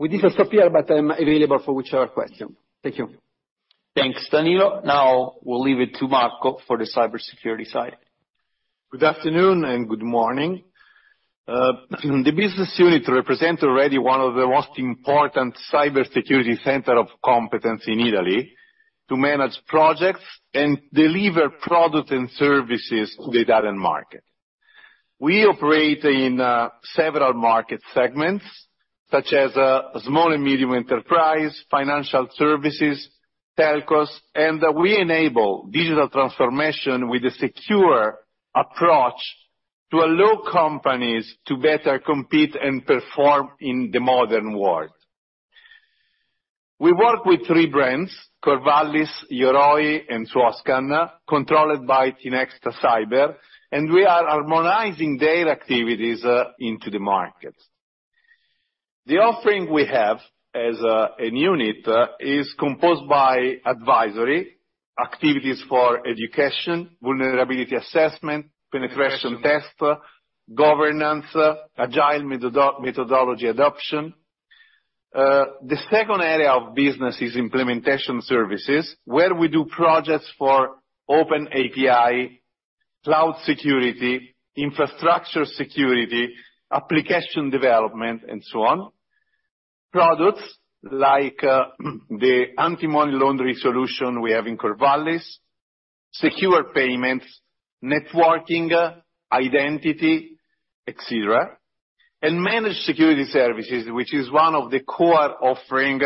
I stop here, but I'm available for whichever question. Thank you. Thanks, Danilo. We'll leave it to Marco for the cybersecurity side. Good afternoon and good morning. The business unit represent already one of the most important cybersecurity center of competence in Italy to manage projects and deliver products and services to the Italian market. We operate in several market segments, such as small and medium enterprise, financial services, telcos, and we enable digital transformation with a secure approach to allow companies to better compete and perform in the modern world. We work with three brands, Corvallis, Yoroi, and Swascan, controlled by Tinexta Cyber, and we are harmonizing their activities into the market. The offering we have as an unit is composed by advisory, activities for education, vulnerability assessment, penetration test, governance, agile methodology adoption. The second area of business is implementation services, where we do projects for OpenAPI, cloud security, infrastructure security, application development, and so on. Products like the anti-money laundering solution we have in Corvallis, secure payments, networking, identity, et cetera. managed security services, which is one of the core offering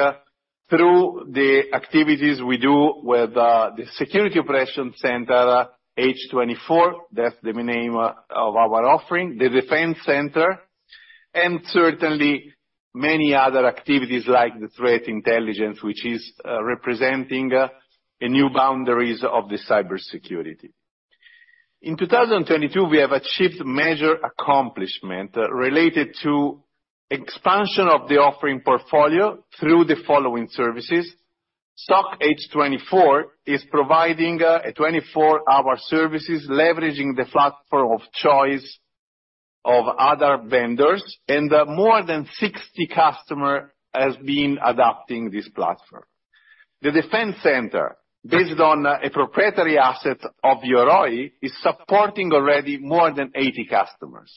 through the activities we do with the Security Operations Center H24, that's the name of our offering, the Defense Center, and certainly many other activities like the threat intelligence, which is representing a new boundaries of the cybersecurity. In 2022, we have achieved major accomplishment related to expansion of the offering portfolio through the following services. SOC H24 is providing a 24-hour services leveraging the platform of choice of other vendors, and more than 60 customer has been adopting this platform. The Defense Center, based on a proprietary asset of Yoroi, is supporting already more than 80 customers.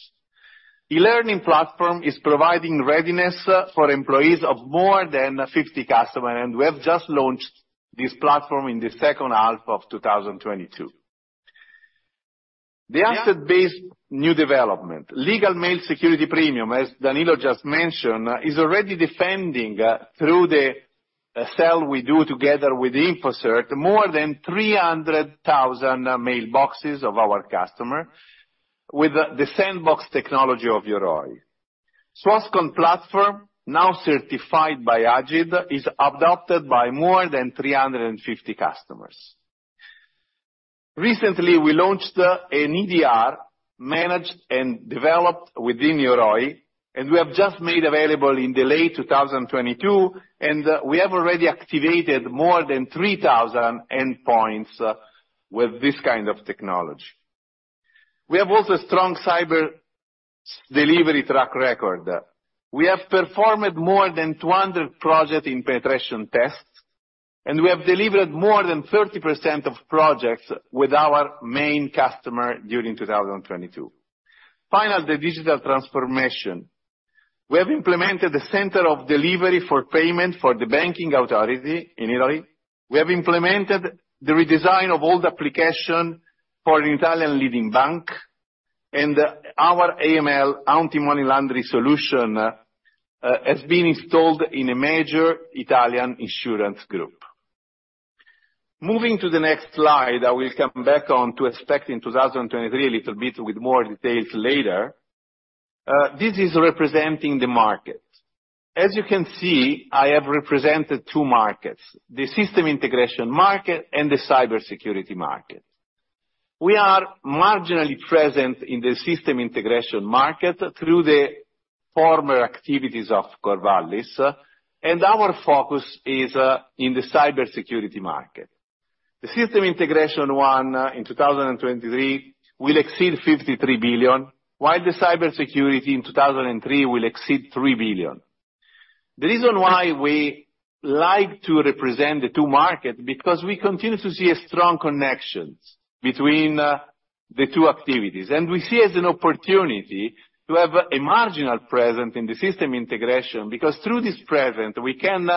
E-learning platform is providing readiness for employees of more than 50 customers. We have just launched this platform in the second half of 2022. The asset-based new development. Legalmail Security Premium, as Danilo just mentioned, is already defending through the sell we do together with InfoCert, more than 300,000 mailboxes of our customers with the sandbox technology of Yoroi. Swascan platform, now certified by AgID, is adopted by more than 350 customers. Recently, we launched an EDR managed and developed within Yoroi. We have just made available in the late 2022. We have already activated more than 3,000 endpoints with this kind of technology. We have also strong cyber delivery track record. We have performed more than 200 project in penetration tests, and we have delivered more than 30% of projects with our main customer during 2022. Final, the digital transformation. We have implemented the center of delivery for payment for the banking authority in Italy. We have implemented the redesign of old application for an Italian leading bank, and our AML, Anti-Money Laundering solution, has been installed in a major Italian insurance group. Moving to the next slide, I will come back on to expect in 2023 a little bit with more details later. This is representing the market. As you can see, I have represented two markets, the system integration market and the cybersecurity market. We are marginally present in the system integration market through the former activities of Corvallis, and our focus is in the cybersecurity market. The system integration one in 2023 will exceed 53 billion, while the cybersecurity in 2003 will exceed 3 billion. The reason why we like to represent the two market, because we continue to see a strong connections between the two activities. We see as an opportunity to have a marginal presence in the system integration because through this presence, we can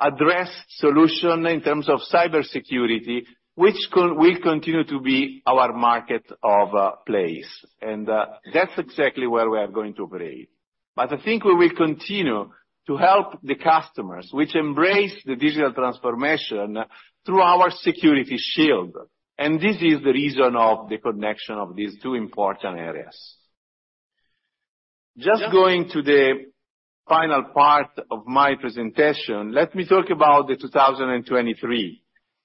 address solution in terms of cybersecurity, which will continue to be our market of place. That's exactly where we are going to play. I think we will continue to help the customers which embrace the digital transformation through our security shield. This is the reason of the connection of these two important areas. Just going to the final part of my presentation, let me talk about 2023,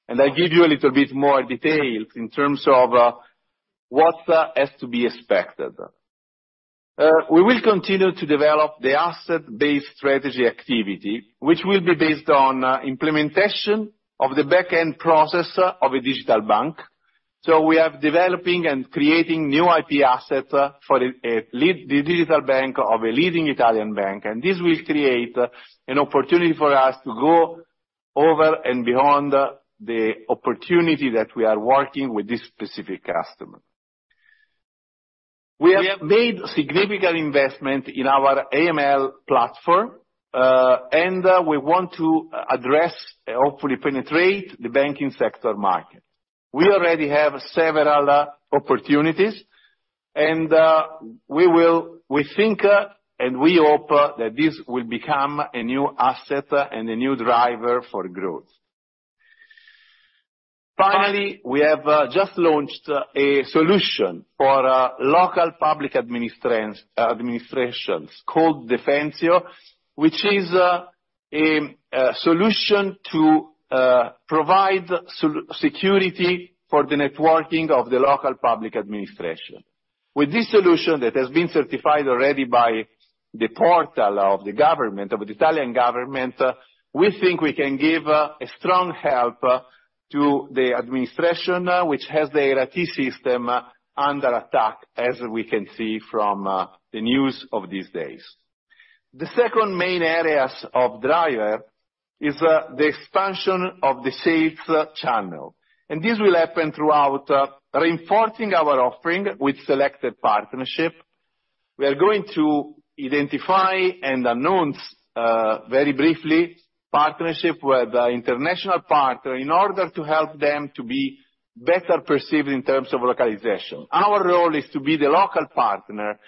I give you a little bit more details in terms of what has to be expected. We will continue to develop the asset-based strategy activity, which will be based on implementation of the back-end process of a digital bank. We have developing and creating new IP assets for the digital bank of a leading Italian bank. This will create an opportunity for us to go over and beyond the opportunity that we are working with this specific customer. We have made significant investment in our AML platform, and we want to address, hopefully penetrate the banking sector market. We already have several opportunities. We think and we hope that this will become a new asset and a new driver for growth. Finally, we have just launched a solution for local public administrations called Defensio, which is a solution to provide security for the networking of the local public administration. With this solution that has been certified already by the portal of the government, of the Italian government, we think we can give a strong help to the administration, which has the IT system under attack, as we can see from the news of these days. The second main areas of driver is the expansion of the sales channel. This will happen throughout reinforcing our offering with selected partnership. We are going to identify and announce, very briefly, partnership with the international partner in order to help them to be better perceived in terms of localization. Our role is to be the local partner,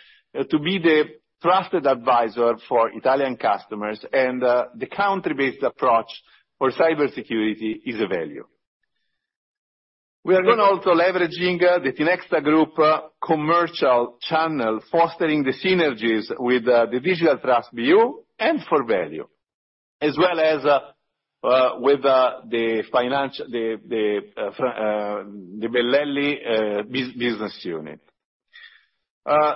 to be the trusted advisor for Italian customers, and the country-based approach for cybersecurity is a value. We are going also leveraging the Tinexta Group commercial channel, fostering the synergies with the Digital Trust BU and Forvalue, as well as with the Bellelli business unit.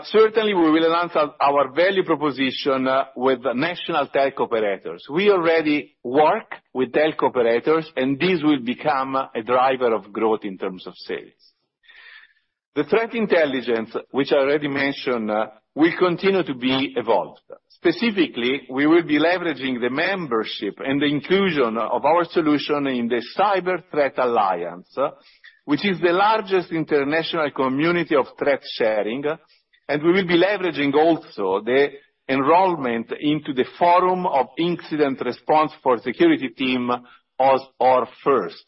Certainly, we will enhance our value proposition with the national telco operators. We already work with telco operators, and this will become a driver of growth in terms of sales. The threat intelligence, which I already mentioned, will continue to be evolved. Specifically, we will be leveraging the membership and the inclusion of our solution in the Cyber Threat Alliance, which is the largest international community of threat sharing. We will be leveraging also the enrollment into the forum of incident response for security team as our first.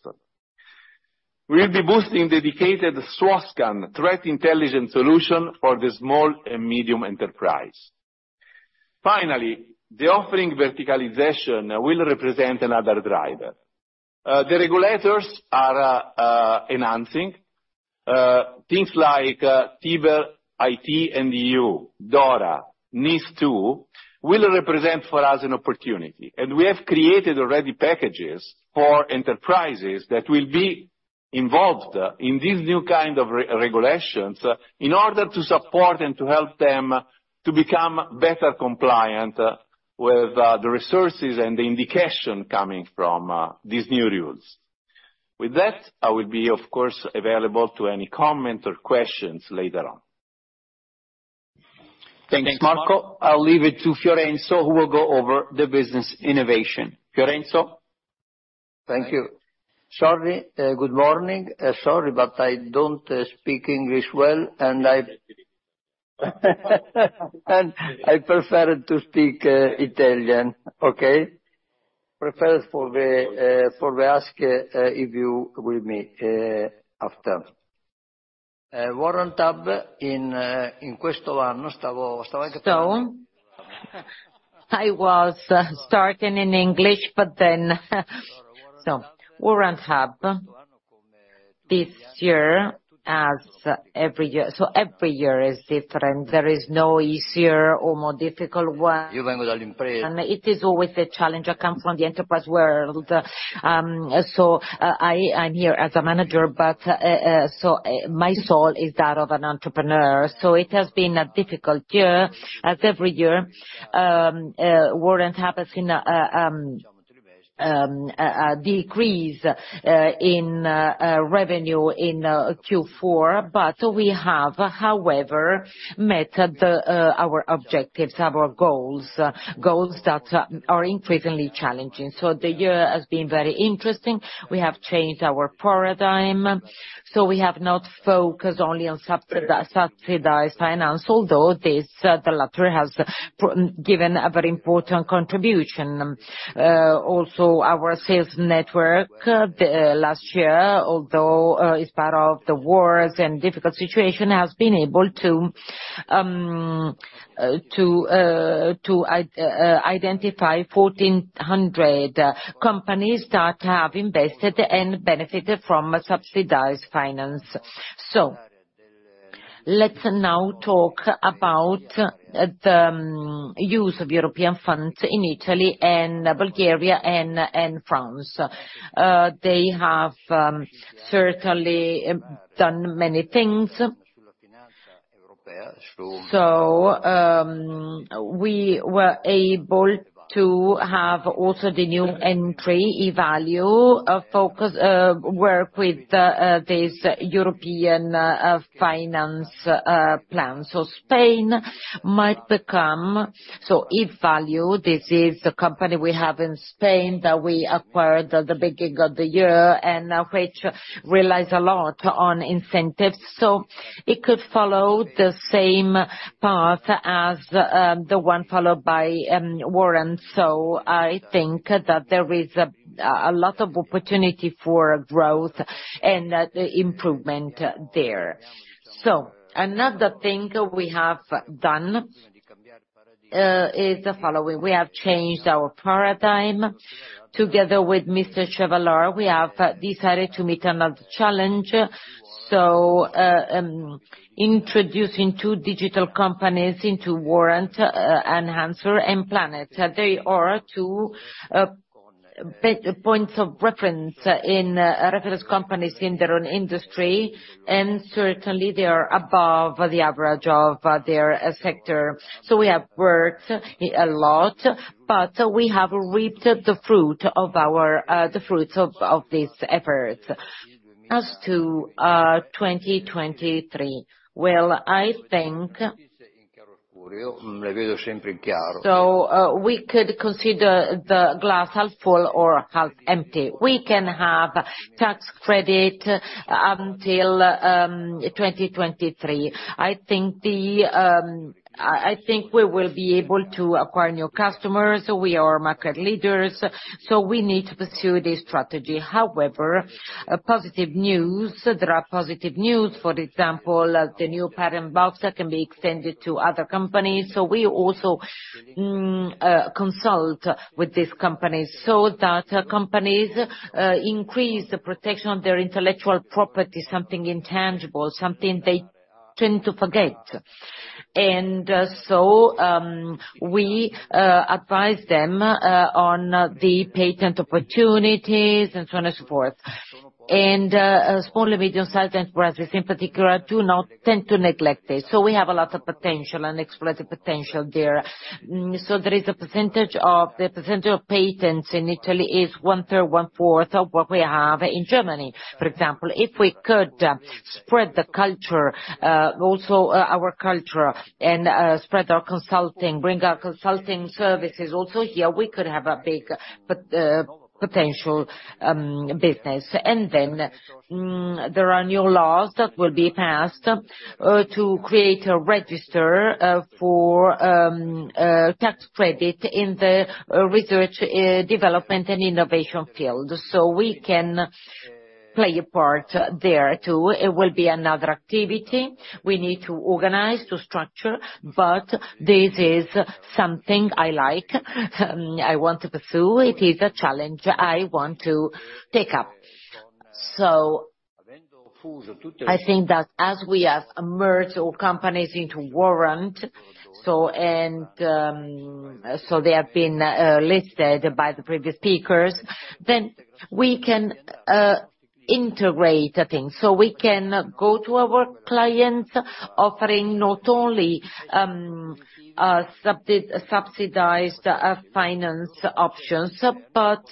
We'll be boosting dedicated Swascan threat intelligence solution for the small and medium enterprise. Finally, the offering verticalization will represent another driver. The regulators are enhancing things like TIBER-IT and EU, DORA, NIS2 will represent for us an opportunity. We have created already packages for enterprises that will be involved in this new kind of re-regulations in order to support and to help them to become better compliant with the resources and the indication coming from these new rules. With that, I will be of course available to any comment or questions later on. Thanks, Marco. I'll leave it to Fiorenzo, who will go over the business innovation. Fiorenzo? Thank you. Sorry. Good morning. Sorry, but I don't speak English well, and I prefer to speak Italian, okay? Prefer for the for the ask, if you will meet after. Warrant Hub in. I was starting in English, but then. Warrant Hub this year, as every year. Every year is different. There is no easier or more difficult one. It is always a challenge. I come from the enterprise world, I'm here as a manager, but my soul is that of an entrepreneur. It has been a difficult year, as every year. Warrant Hub has been a decrease in revenue in Q4, but we have, however, met the our objectives, our goals that are increasingly challenging. The year has been very interesting. We have changed our paradigm, we have not focused only on subsidized finance, although this, the latter, has given a very important contribution. Also, our sales network last year, although is part of the worst and difficult situation, has been able to identify 1,400 companies that have invested and benefited from subsidized finance. Let's now talk about the use of European funds in Italy and Bulgaria and France. They have certainly done many things. We were able to have also the new entry, Evalue, focus work with the this European finance plan. Spain might become... Evalue, this is the company we have in Spain that we acquired at the beginning of the year and which relies a lot on incentives. It could follow the same path as the one followed by Warrant. I think that there is a lot of opportunity for growth and improvement there. Another thing we have done is the following: We have changed our paradigm. Together with Mr. Chevallard, we have decided to meet another challenge. Introducing two digital companies into Warrant, Enhancers and Plannet. They are two points of reference in reference companies in their own industry, and certainly they are above the average of their sector. We have worked a lot, but we have reaped the fruits of this effort. As to 2023, well, I think. We could consider the glass half full or half empty. We can have tax credit until 2023. I think we will be able to acquire new customers. We are market leaders, we need to pursue this strategy. However, positive news. There are positive news, for example, the new patent box that can be extended to other companies. We also consult with these companies, so that companies increase the protection of their intellectual property, something intangible, something they tend to forget. We advise them on the patent opportunities and so on and so forth. Small and medium-sized enterprises in particular do not tend to neglect this. We have a lot of potential, unexploited potential there. The percentage of patents in Italy is one-third, one-fourth of what we have in Germany. For example, if we could spread the culture, also our culture and spread our consulting, bring our consulting services also here, we could have a big potential business. There are new laws that will be passed to create a register for tax credit in the research, development and innovation field. We can play a part there too. It will be another activity we need to organize, to structure. This is something I like. I want to pursue. It is a challenge I want to take up. I think that as we have merged all companies into Warrant, they have been listed by the previous speakers, then we can integrate, I think. We can go to our clients offering not only a subsidized finance options, but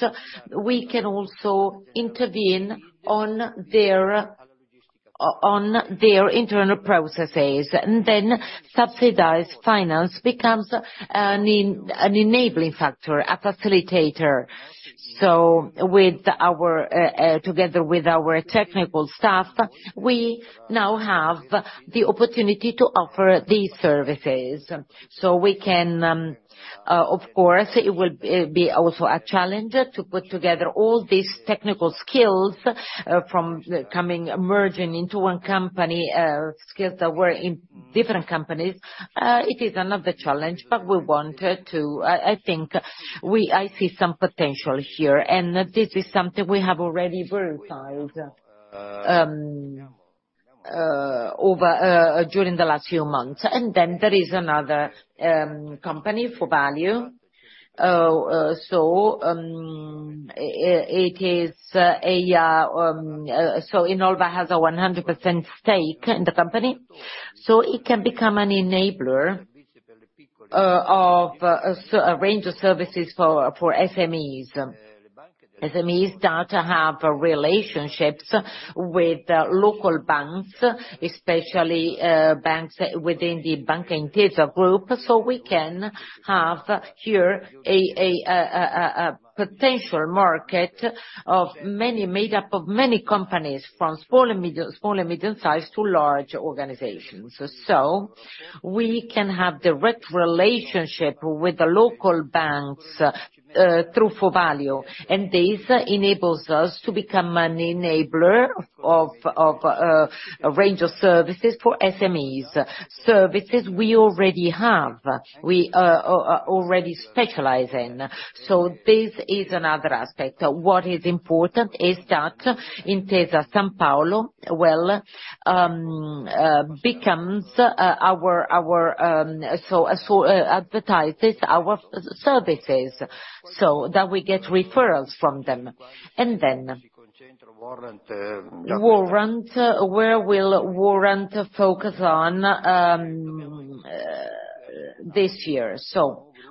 we can also intervene on their internal processes. Subsidized finance becomes an enabling factor, a facilitator. Together with our technical staff, we now have the opportunity to offer these services. We can, of course, it will be also a challenge to put together all these technical skills from merging into one company, skills that were in different companies. It is another challenge, but we wanted to... I think I see some potential here, and this is something we have already verified over during the last few months. There is another company, Forvalue. Innolva has a 100% stake in the company, so it can become an enabler of a range of services for SMEs. SMEs that have relationships with local banks, especially banks within the Banca Intesa group. We can have here a potential market of many made up of many companies from small and medium-sized to large organizations. We can have direct relationship with the local banks through Forvalue, and this enables us to become an enabler of a range of services for SMEs, services we already have, we are already specialize in. This is another aspect. What is important is that Intesa Sanpaolo becomes our advertises our services, so that we get referrals from them. Warrant, where will Warrant focus on this year?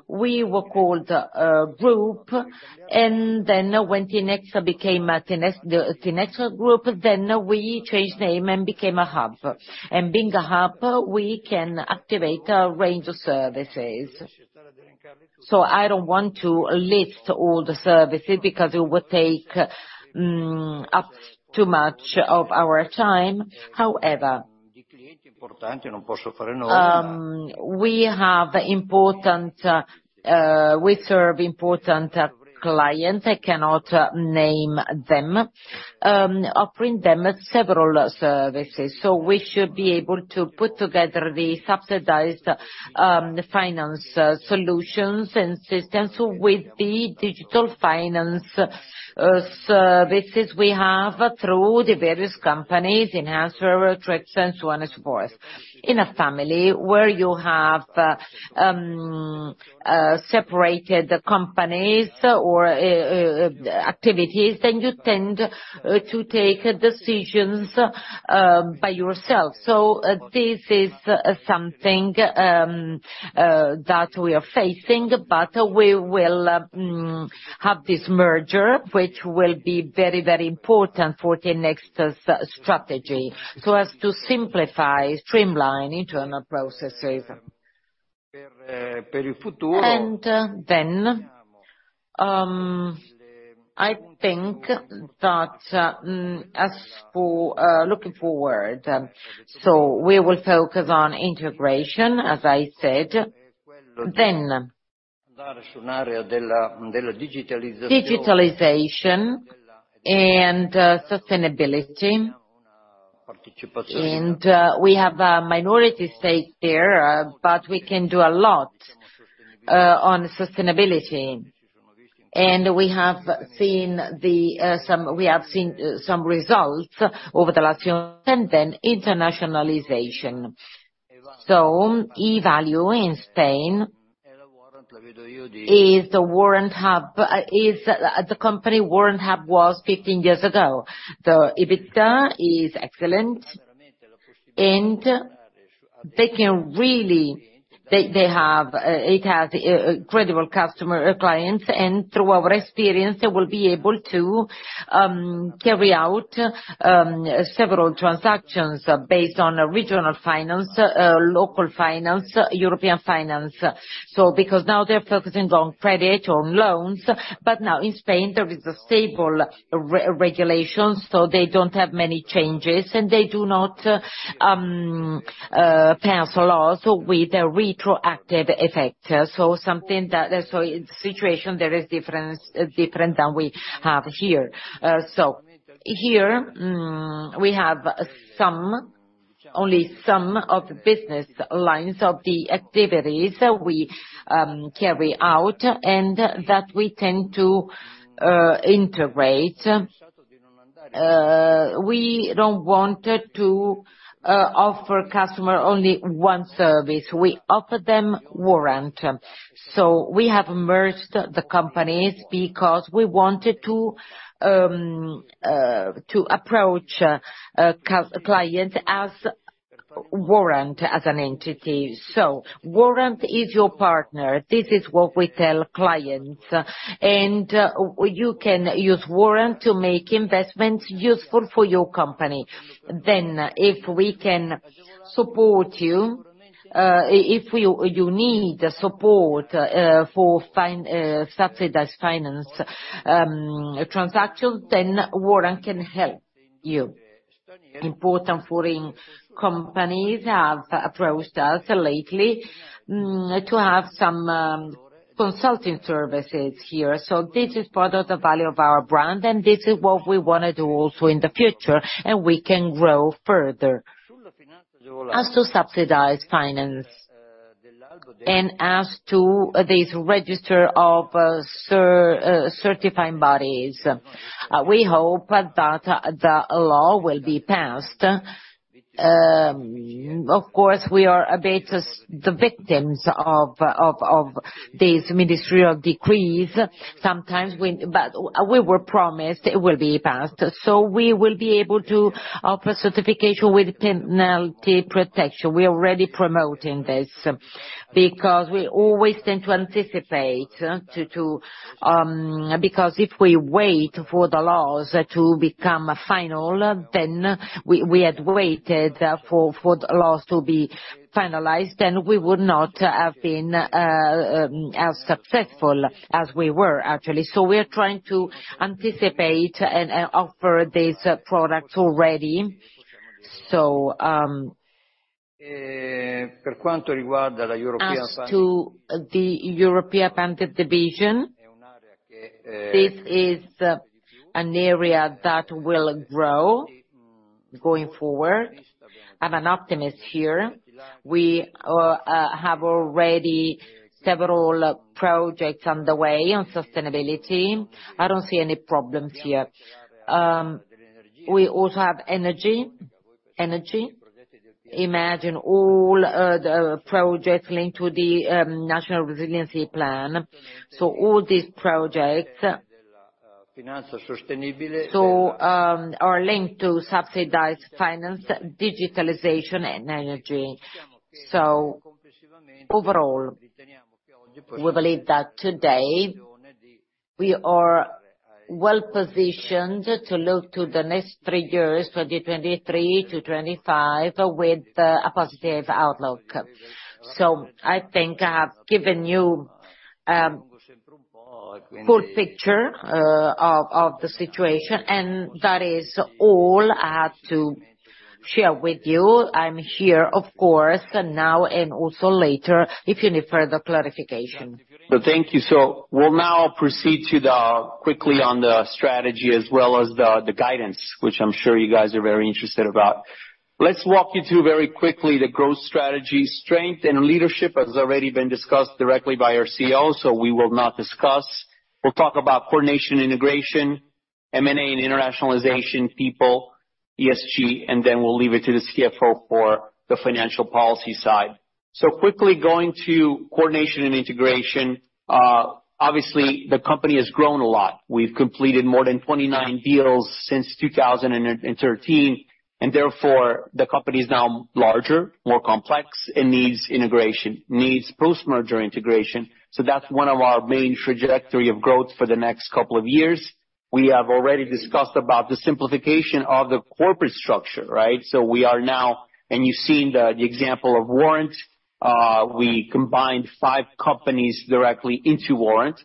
We were called Group, and then when Tinexta became the Tinexta Group, then we changed name and became a hub. Being a hub, we can activate a range of services. I don't want to list all the services because it would take up too much of our time. However, we have important, we serve important clients, I cannot name them, offering them several services. We should be able to put together the subsidized finance solutions and systems with the digital finance services we have through the various companies, Enhancer, Trix, and so on and so forth. In a family where you have separated companies or activities, then you tend to take decisions by yourself. This is something that we are facing, but we will have this merger, which will be very, very important for Tinexta's strategy, so as to simplify, streamline internal processes. I think that, as for, looking forward, we will focus on integration, as I said. Digitalization and sustainability. We have a minority stake there, but we can do a lot on sustainability. We have seen the, we have seen some results over the last few. Then internationalization. Evalue in Spain is the company Warrant Hub was 15 years ago. The EBITDA is excellent, and they can really. They have, it has incredible customer clients, and through our experience, they will be able to carry out several transactions based on regional finance, local finance, European finance. Because now they're focusing on credit, on loans, but now in Spain, there is a stable re-regulation, so they don't have many changes, and they do not pass laws with a retroactive effect. something that. Situation there is different than we have here. Here, we have some, only some of the business lines of the activities we carry out and that we tend to integrate. We don't want to offer customer only one service. We offer them Warrant. We have merged the companies because we wanted to approach clients as Warrant as an entity. Warrant is your partner. This is what we tell clients. You can use Warrant to make investments useful for your company. If we can support you, if you need support for find subsidized finance transaction, Warrant can help you. Important foreign companies have approached us lately to have some consulting services here. This is part of the value of our brand, and this is what we wanna do also in the future. We can grow further. As to subsidized finance and as to this register of certifying bodies, we hope that the law will be passed. Of course, we are a bit the victims of this ministerial decrease. Sometimes we were promised it will be passed. We will be able to offer certification with penalty protection. We're already promoting this because we always tend to anticipate to... If we wait for the laws to become final, we had waited for the laws to be finalized, we would not have been as successful as we were actually. We are trying to anticipate and offer this product already. As to the European-funded division, this is an area that will grow going forward. I'm an optimist here. We have already several projects underway on sustainability. I don't see any problems here. We also have energy. Imagine all the projects linked to the National Recovery and Resilience Plan. All these projects are linked to subsidized finance, digitalization and energy. Overall, we believe that today we are well-positioned to look to the next three years, 2023 to 2025, with a positive outlook. I think I've given you full picture of the situation, and that is all I have to share with you. I'm here, of course, now and also later, if you need further clarification. Thank you. We'll now proceed quickly on the strategy as well as the guidance, which I'm sure you guys are very interested about. Let's walk you through very quickly the growth strategy. Strength and leadership has already been discussed directly by our CEO, so we will not discuss. We'll talk about coordination, integration, M&A and internationalization, people, ESG, and then we'll leave it to the CFO for the financial policy side. Quickly going to coordination and integration, obviously the company has grown a lot. We've completed more than 29 deals since 2013, and therefore the company is now larger, more complex and needs integration, needs post-merger integration. That's one of our main trajectory of growth for the next couple of years. We have already discussed about the simplification of the corporate structure, right? We are now... You've seen the example of Warrant. We combined five companies directly into Warrant.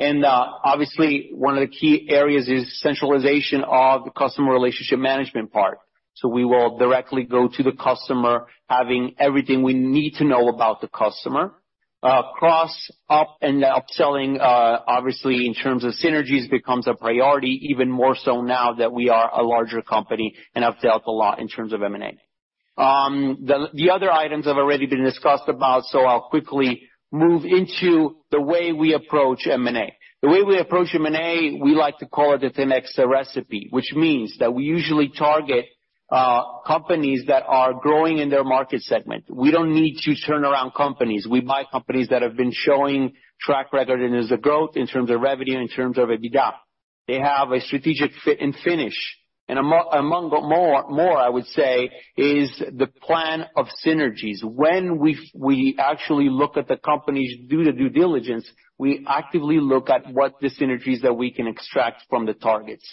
Obviously, one of the key areas is centralization of the customer relationship management part. We will directly go to the customer, having everything we need to know about the customer. Cross sell and upselling, obviously in terms of synergies, becomes a priority, even more so now that we are a larger company and have dealt a lot in terms of M&A. The other items have already been discussed about. I'll quickly move into the way we approach M&A. The way we approach M&A, we like to call it the Team X recipe, which means that we usually target companies that are growing in their market segment. We don't need to turn around companies. We buy companies that have been showing track record in terms of growth, in terms of revenue, in terms of EBITDA. They have a strategic fit and finish. Among more, I would say, is the plan of synergies. When we actually look at the companies, do the due diligence, we actively look at what the synergies that we can extract from the targets.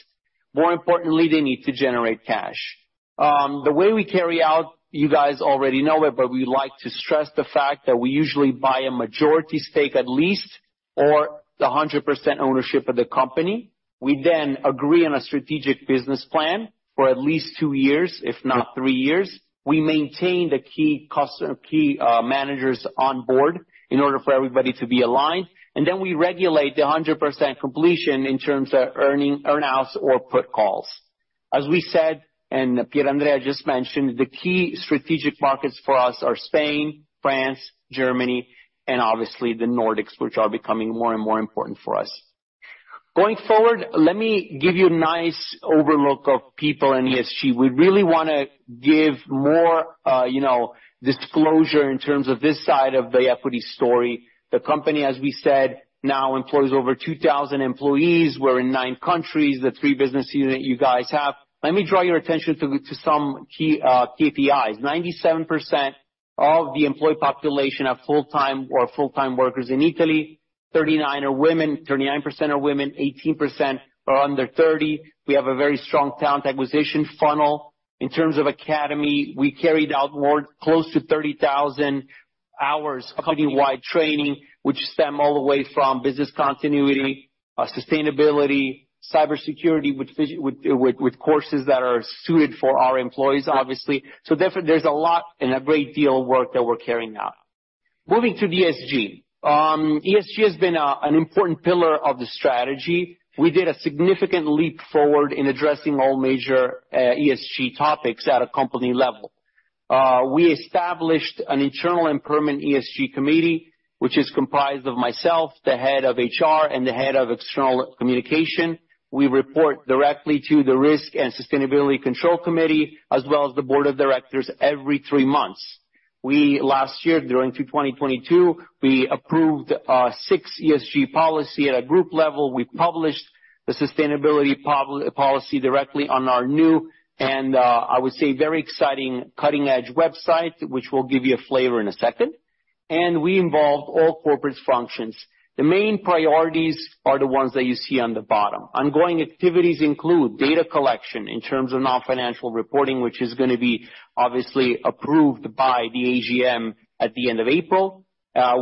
More importantly, they need to generate cash. The way we carry out, you guys already know it, but we like to stress the fact that we usually buy a majority stake at least or the 100% ownership of the company. We then agree on a strategic business plan for at least two years, if not three years. We maintain the key customer, key managers on board in order for everybody to be aligned. We regulate the 100% completion in terms of earn-outs or put calls. As we said, Pier Andrea just mentioned, the key strategic markets for us are Spain, France, Germany and obviously the Nordics, which are becoming more and more important for us. Going forward, let me give you a nice overlook of people in ESG. We really wanna give more, you know, disclosure in terms of this side of the equity story. The company, as we said, now employs over 2,000 employees. We're in nine countries, the three business unit you guys have. Let me draw your attention to some key KPIs. 97% of the employee population of full-time or full-time workers in Italy, 39 are women, 39% are women, 18% are under 30. We have a very strong talent acquisition funnel. In terms of academy, we carried out more close to 30,000 hours company-wide training, which stem all the way from business continuity, sustainability, cybersecurity with courses that are suited for our employees, obviously. Definitely, there's a lot and a great deal of work that we're carrying out. Moving to ESG. ESG has been an important pillar of the strategy. We did a significant leap forward in addressing all major ESG topics at a company level. We established an internal and permanent ESG committee, which is comprised of myself, the head of HR, and the head of external communication. We report directly to the Risk and Sustainability Control Committee, as well as the board of directors every three months. Last year, during to 2022, we approved six ESG policy at a group level. We published the sustainability policy directly on our new and, I would say, very exciting cutting-edge website, which will give you a flavor in a second. We involved all corporate functions. The main priorities are the ones that you see on the bottom. Ongoing activities include data collection in terms of non-financial reporting, which is gonna be obviously approved by the AGM at the end of April.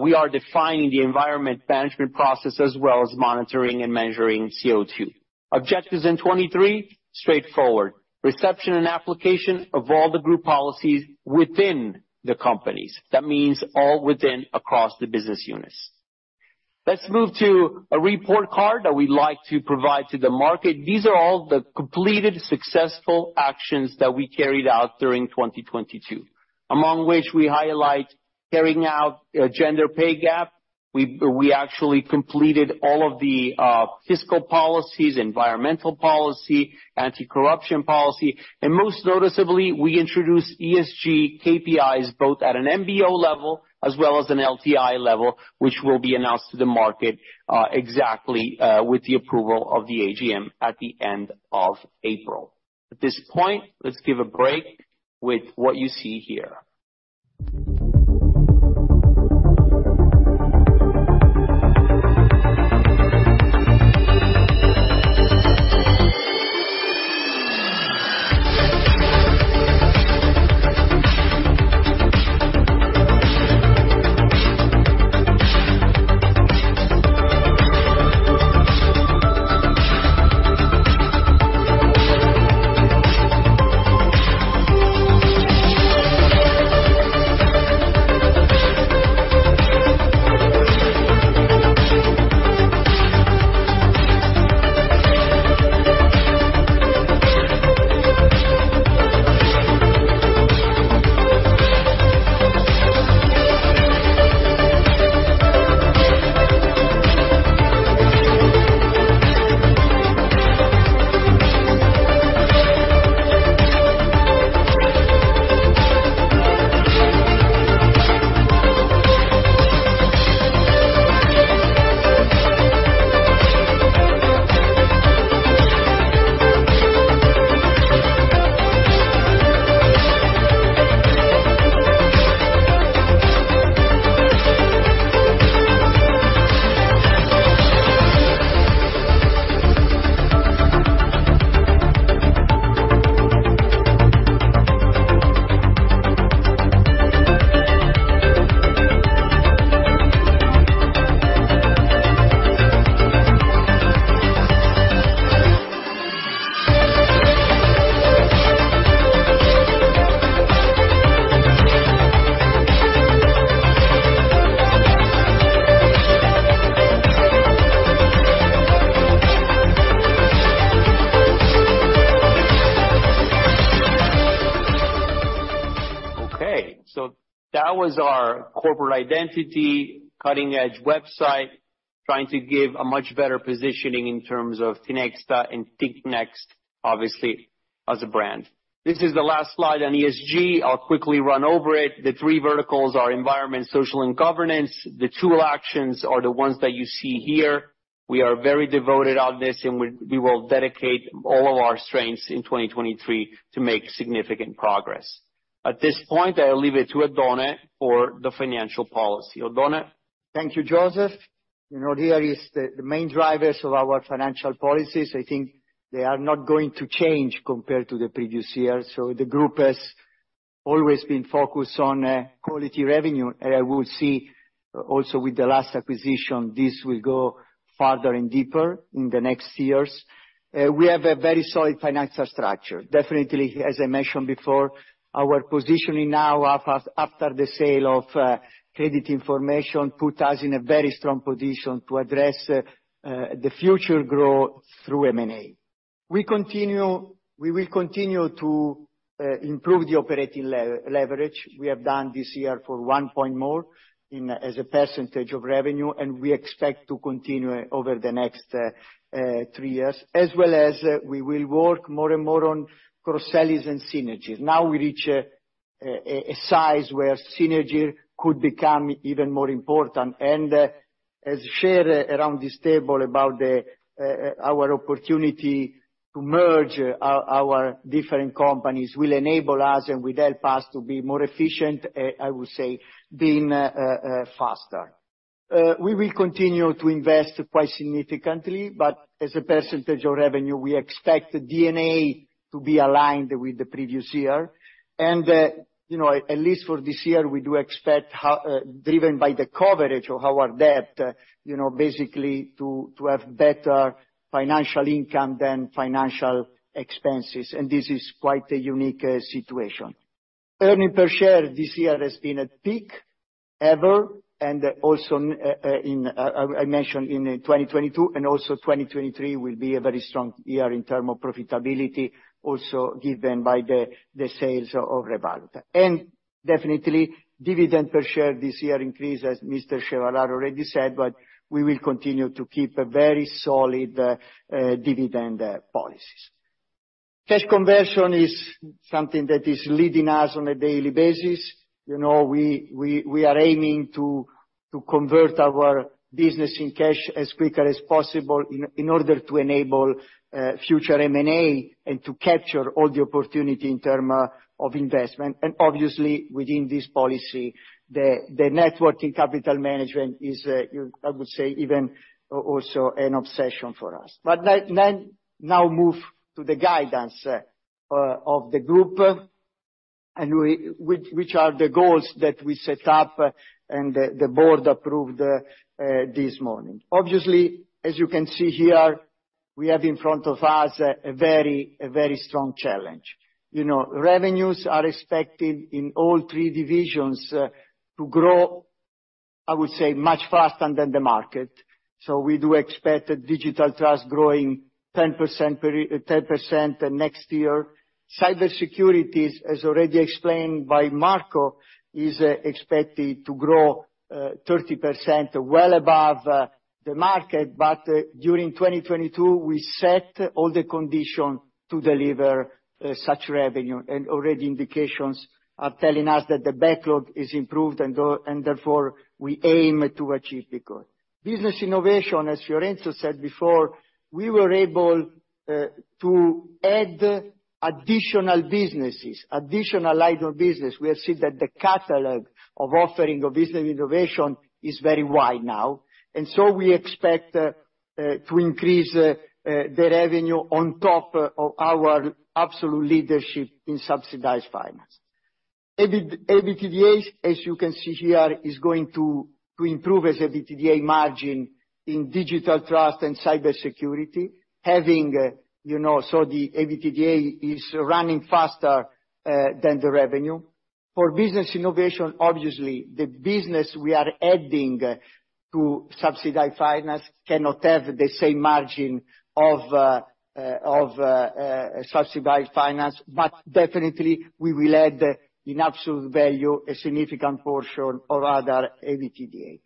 We are defining the environment management process as well as monitoring and measuring CO2. Objectives in 2023, straightforward. Reception and application of all the group policies within the companies. That means all within across the business units. Let's move to a report card that we like to provide to the market. These are all the completed successful actions that we carried out during 2022. Among which we highlight carrying out a gender pay gap. We actually completed all of the fiscal policies, environmental policy, anti-corruption policy, and most noticeably, we introduced ESG KPIs, both at an MBO level as well as an LTI level, which will be announced to the market exactly with the approval of the AGM at the end of April. At this point, let's give a break with what you see here. That was our corporate identity, cutting-edge website, trying to give a much better positioning in terms of Tinexta and ThinkNext, obviously, as a brand. This is the last slide on ESG. I'll quickly run over it. The three verticals are environment, social, and governance. The two actions are the ones that you see here. We are very devoted on this, and we will dedicate all of our strengths in 2023 to make significant progress. At this point, I'll leave it to Oddone for the financial policy. Oddone? Thank you, Josef. You know, here is the main drivers of our financial policies. I think they are not going to change compared to the previous year. The group has always been focused on quality revenue. I will see also with the last acquisition, this will go farther and deeper in the next years. We have a very solid financial structure. Definitely, as I mentioned before, our positioning now after the sale of Credit Information put us in a very strong position to address the future growth through M&A. We will continue to improve the operating leverage we have done this year for 1 point more in as a percentage of revenue, and we expect to continue over the next three years, as well as we will work more and more on cross-selling and synergies. Now we reach a size where synergy could become even more important. As shared around this table about the our opportunity to merge our different companies will enable us and will help us to be more efficient, I would say being faster. We will continue to invest quite significantly, but as a percentage of revenue, we expect the D&A to be aligned with the previous year. You know, at least for this year, we do expect how, driven by the coverage of our debt, you know, basically to have better financial income than financial expenses. This is quite a unique situation. Earnings per share this year has been at peak ever, and also I mentioned in 2022 and also 2023 will be a very strong year in terms of profitability also given by the sales of ReValuta. Definitely dividend per share this year increased, as Mr. Chevallard already said, but we will continue to keep a very solid dividend policies. Cash conversion is something that is leading us on a daily basis. You know, we are aiming to convert our business in cash as quickly as possible in order to enable future M&A and to capture all the opportunities in terms of investment. Obviously, within this policy, the networking capital management is I would say even also an obsession for us. Let now move to the guidance of the group, and which are the goals that we set up and the board approved this morning. Obviously, as you can see here, we have in front of us a very strong challenge. You know, revenues are expected in all three divisions to grow, I would say, much faster than the market. We do expect that Digital Trust growing 10% next year. Cybersecurity, as already explained by Marco, is expected to grow 30%, well above the market. During 2022, we set all the condition to deliver such revenue. Already indications are telling us that the backlog is improved, and therefore we aim to achieve the goal. Business Innovation, as Fiorenzo said before, we were able to add additional businesses, additional line of business. We have seen that the catalog of offering of Business Innovation is very wide now. We expect to increase the revenue on top of our absolute leadership in Subsidized Finance. EBITDA, as you can see here, is going to improve as EBITDA margin in Digital Trust and Cybersecurity. Having, you know, so the EBITDA is running faster than the revenue. For Business Innovation, obviously, the business we are adding to Subsidized Finance cannot have the same margin of Subsidized Finance, but definitely we will add in absolute value a significant portion of our other EBITDA.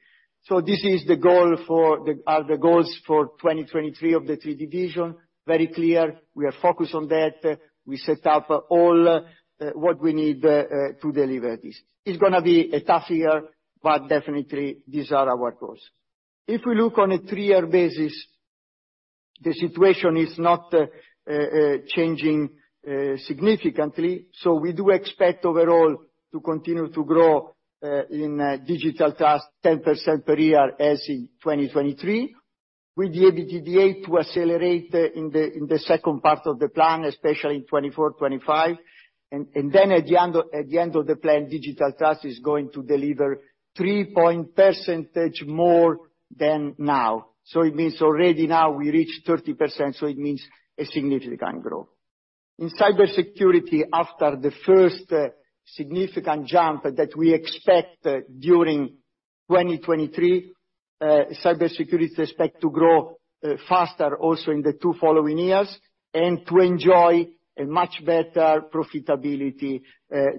Are the goals for 2023 of the three division. Very clear. We are focused on that. We set up all what we need to deliver this. It's gonna be a tough year, but definitely these are our goals. If we look on a 3-year basis, the situation is not changing significantly. We do expect overall to continue to grow in Digital Trust 10% per year as in 2023. With the EBITDA to accelerate in the second part of the plan, especially in 2024, 2025. At the end of the plan, Digital Trust is going to deliver 3-point percentage more than now. It means already now we reach 30%, it means a significant growth. In cybersecurity, after the first significant jump that we expect during 2023, cybersecurity expect to grow faster also in the two following years and to enjoy a much better profitability,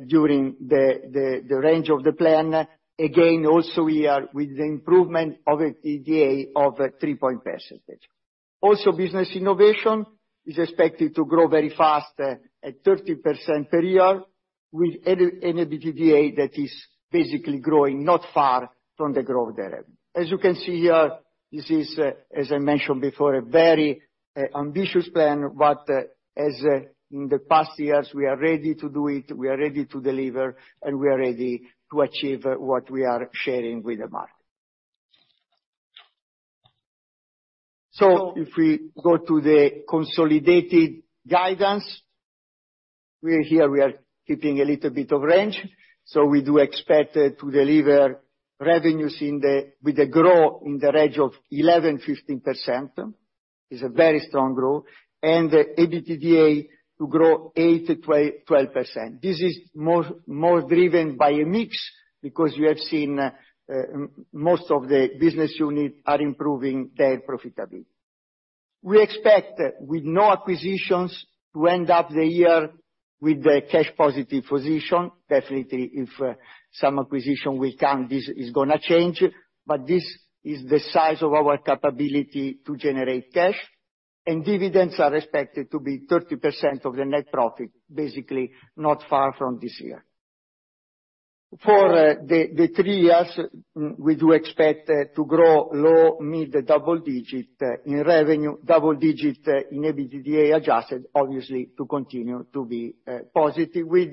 during the range of the plan. Also, we are with the improvement of EBITDA of 3-point percentage. Also, business innovation is expected to grow very fast, at 30% per year with EBITDA that is basically growing not far from the growth there. As you can see here, this is, as I mentioned before, a very ambitious plan. As in the past years, we are ready to do it, we are ready to deliver, and we are ready to achieve what we are sharing with the market. If we go to the consolidated guidance, we are here, we are keeping a little bit of range. We do expect to deliver revenues with the growth in the range of 11%-15%. It's a very strong growth. The EBITDA to grow 8%-12%. This is more driven by a mix because you have seen most of the business unit are improving their profitability. We expect with no acquisitions to end up the year with a cash positive position. Definitely, if some acquisition will come, this is gonna change, but this is the size of our capability to generate cash. Dividends are expected to be 30% of the net profit, basically not far from this year. For the three years, we do expect to grow low-mid double-digit in revenue, double-digit in EBITDA adjusted, obviously, to continue to be positive, with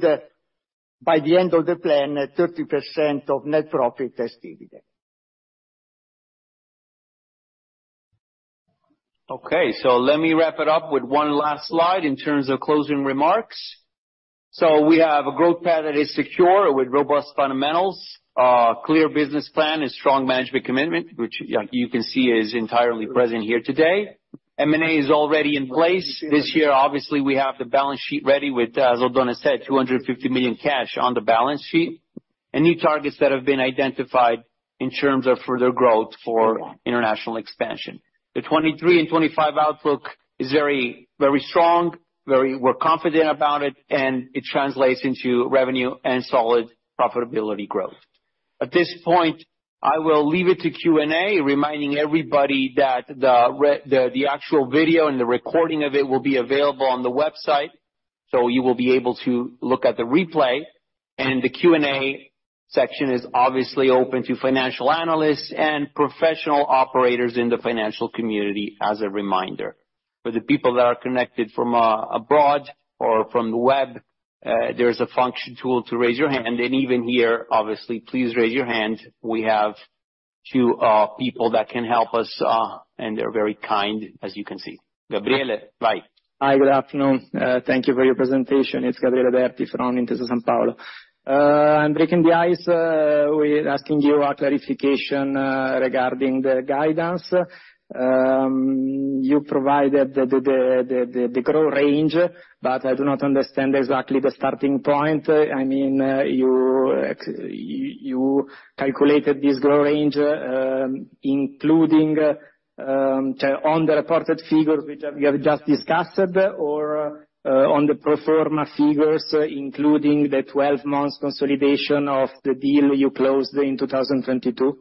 by the end of the plan, 30% of net profit as dividend. Okay. Let me wrap it up with one last slide in terms of closing remarks. We have a growth path that is secure with robust fundamentals, clear business plan and strong management commitment, which, yeah, you can see is entirely present here today. M&A is already in place. This year, obviously, we have the balance sheet ready with, as Oddone said, 250 million cash on the balance sheet. New targets that have been identified in terms of further growth for international expansion. The 2023 and 2025 outlook is very, very strong. We're confident about it translates into revenue and solid profitability growth. At this point, I will leave it to Q&A, reminding everybody that the actual video and the recording of it will be available on the website. You will be able to look at the replay. The Q&A section is obviously open to financial analysts and professional operators in the financial community as a reminder. For the people that are connected from abroad or from the web, there's a function tool to raise your hand. Even here, obviously, please raise your hand. We have two people that can help us and they're very kind, as you can see. Gabriele, hi. Hi, good afternoon. Thank you for your presentation. It's Gabriele Berti from Intesa Sanpaolo. I'm breaking the ice with asking you a clarification regarding the guidance. You provided the growth range, but I do not understand exactly the starting point. I mean, you calculated this growth range, including the on the reported figures which we have just discussed or on the pro forma figures, including the 12 months consolidation of the deal you closed in 2022?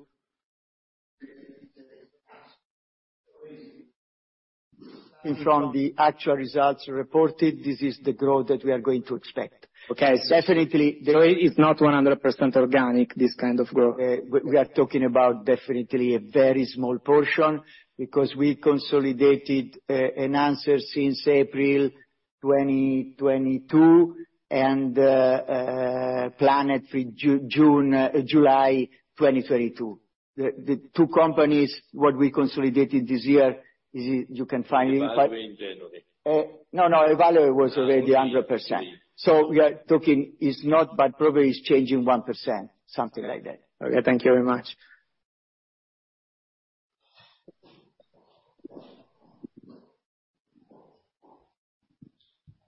From the actual results reported, this is the growth that we are going to expect. Okay. Definitely, the growth is not 100% organic, this kind of growth. We are talking about definitely a very small portion because we consolidated Enhancers since April 2022 and Plannet for June, July 2022. The two companies, what we consolidated this year is you can find. Evalue in January. No. Evalue was already 100%. We are talking is not, but probably is changing 1%, something like that. Okay, thank you very much.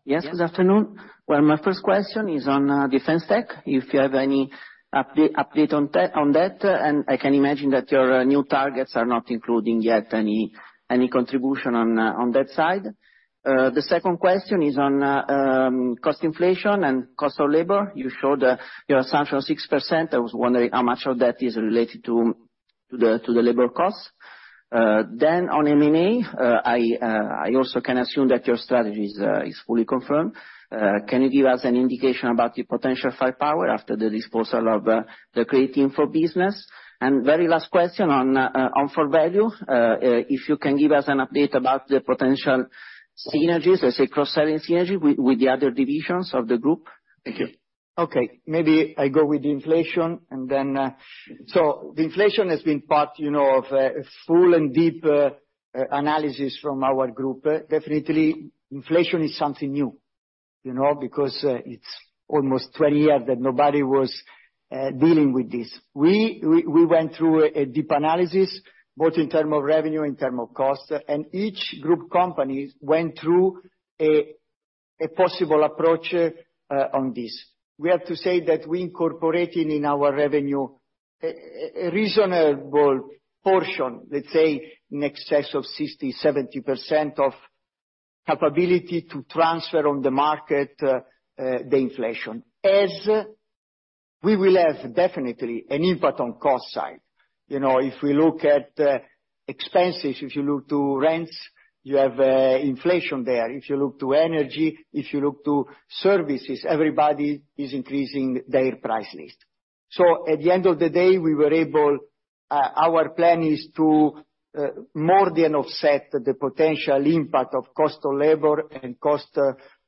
Yes, good afternoon. Well, my first question is on Defence Tech, if you have any update on that? I can imagine that your new targets are not including yet any contribution on that side. The second question is on cost inflation and cost of labor. You showed your assumption of 6%. I was wondering how much of that is related to the labor costs? On M&A, I also can assume that your strategy is fully confirmed. Can you give us an indication about your potential firepower after the disposal of the creating for business? Very last question on Forvalue, if you can give us an update about the potential synergies, let's say cross-selling synergy with the other divisions of the group? Thank you. Okay. Maybe I go with the inflation and then. The inflation has been part, you know, of a full and deep analysis from our group. Definitely, inflation is something new, you know, because it's almost 20 years that nobody was dealing with this. We went through a deep analysis, both in term of revenue, in term of cost, and each group companies went through a possible approach on this. We have to say that we incorporated in our revenue a reasonable portion, let's say in excess of 60%-70% of capability to transfer on the market the inflation. As we will have definitely an impact on cost side. You know, if we look at expenses, if you look to rents, you have inflation there. If you look to energy, if you look to services, everybody is increasing their price list. At the end of the day, we were able, our plan is to more than offset the potential impact of cost of labor and cost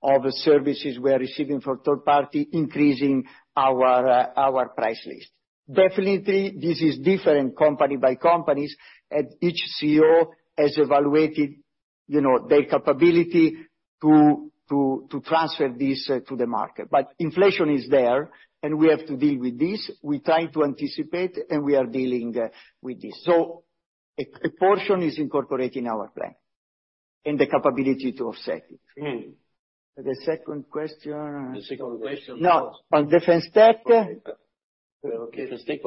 of services we are receiving from third party, increasing our price list. Definitely, this is different company by companies, and each CEO has evaluated, you know, their capability to transfer this to the market. Inflation is there, and we have to deal with this. We try to anticipate, and we are dealing with this. A portion is incorporated in our plan and the capability to offset it. The second question. The second question. No. On Defence Tech. Defence Tech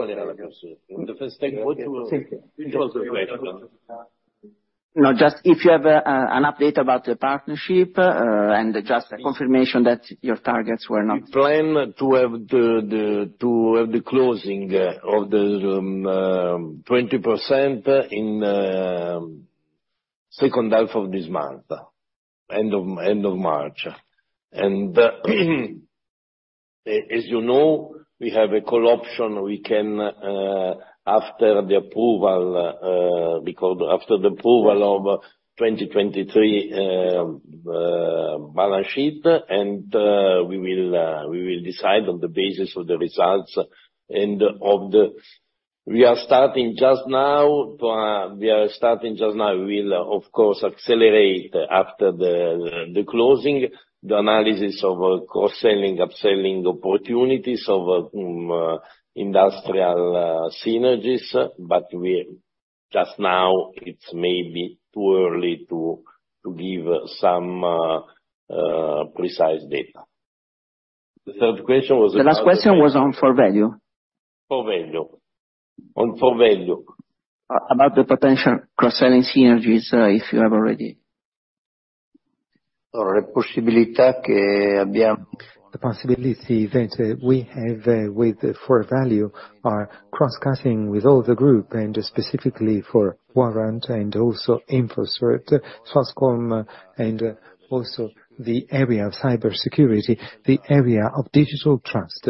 No, just if you have an update about the partnership, and just a confirmation that your targets were. We plan to have the closing of the 20% in. Second half of this month, end of March. As you know, we have a call option, we call after the approval of 2023 balance sheet, we will decide on the basis of the results and of the... We are starting just now, we will of course accelerate after the closing, the analysis of cross-selling, upselling opportunities of industrial synergies. Just now it's maybe too early to give some precise data. The third question was about. The last question was on Forvalue. Forvalue. On Forvalue. About the potential cross-selling synergies, if you have already. The possibility that we have with Forvalue are cross-cutting with all the group, and specifically for Warrant and also Infrastructure, Fastcom, and also the area of cybersecurity, the area of digital trust.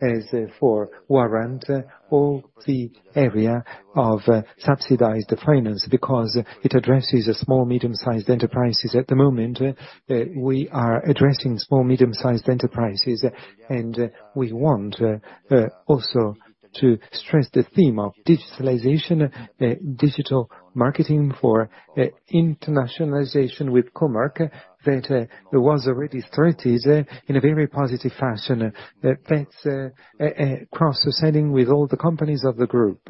As for Warrant, all the area of subsidized finance, because it addresses small, medium-sized enterprises at the moment. We are addressing small, medium-sized enterprises. We want also to stress the theme of digitalization, digital marketing for internationalization with Co.Mark, that was already threatened in a very positive fashion. That's cross-selling with all the companies of the group.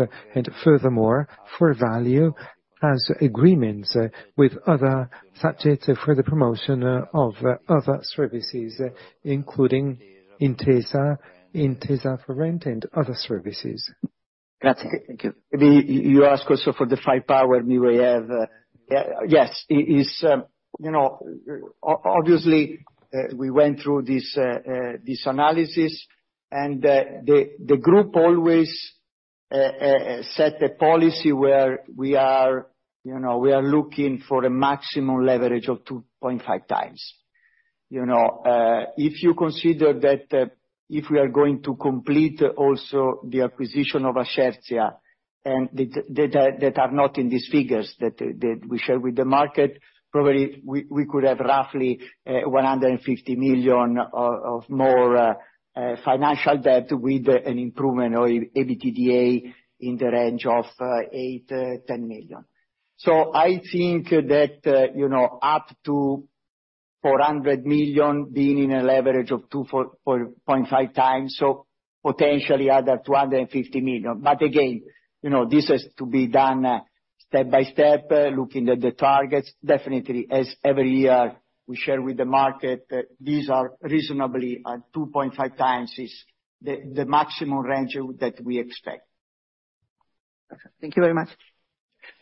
Furthermore, Forvalue has agreements with other subjects for the promotion of other services, including Intesa for Rent and other services. Thank you. You ask also for the five power we will have. Yes, it is, you know, obviously, we went through this analysis and the group always set a policy where we are, you know, we are looking for a maximum leverage of 2.5x. You know, if you consider that if we are going to complete also the acquisition of Ascertia and that are not in these figures that we share with the market, probably we could have roughly 150 million of more financial debt with an improvement or EBITDA in the range of 8 million-10 million. I think that, you know, up to 400 million being in a leverage of 2.5x, so potentially other 250 million. Again, you know, this has to be done step by step, looking at the targets. Definitely, as every year we share with the market, these are reasonably at 2.5x is the maximum range that we expect. Thank you very much.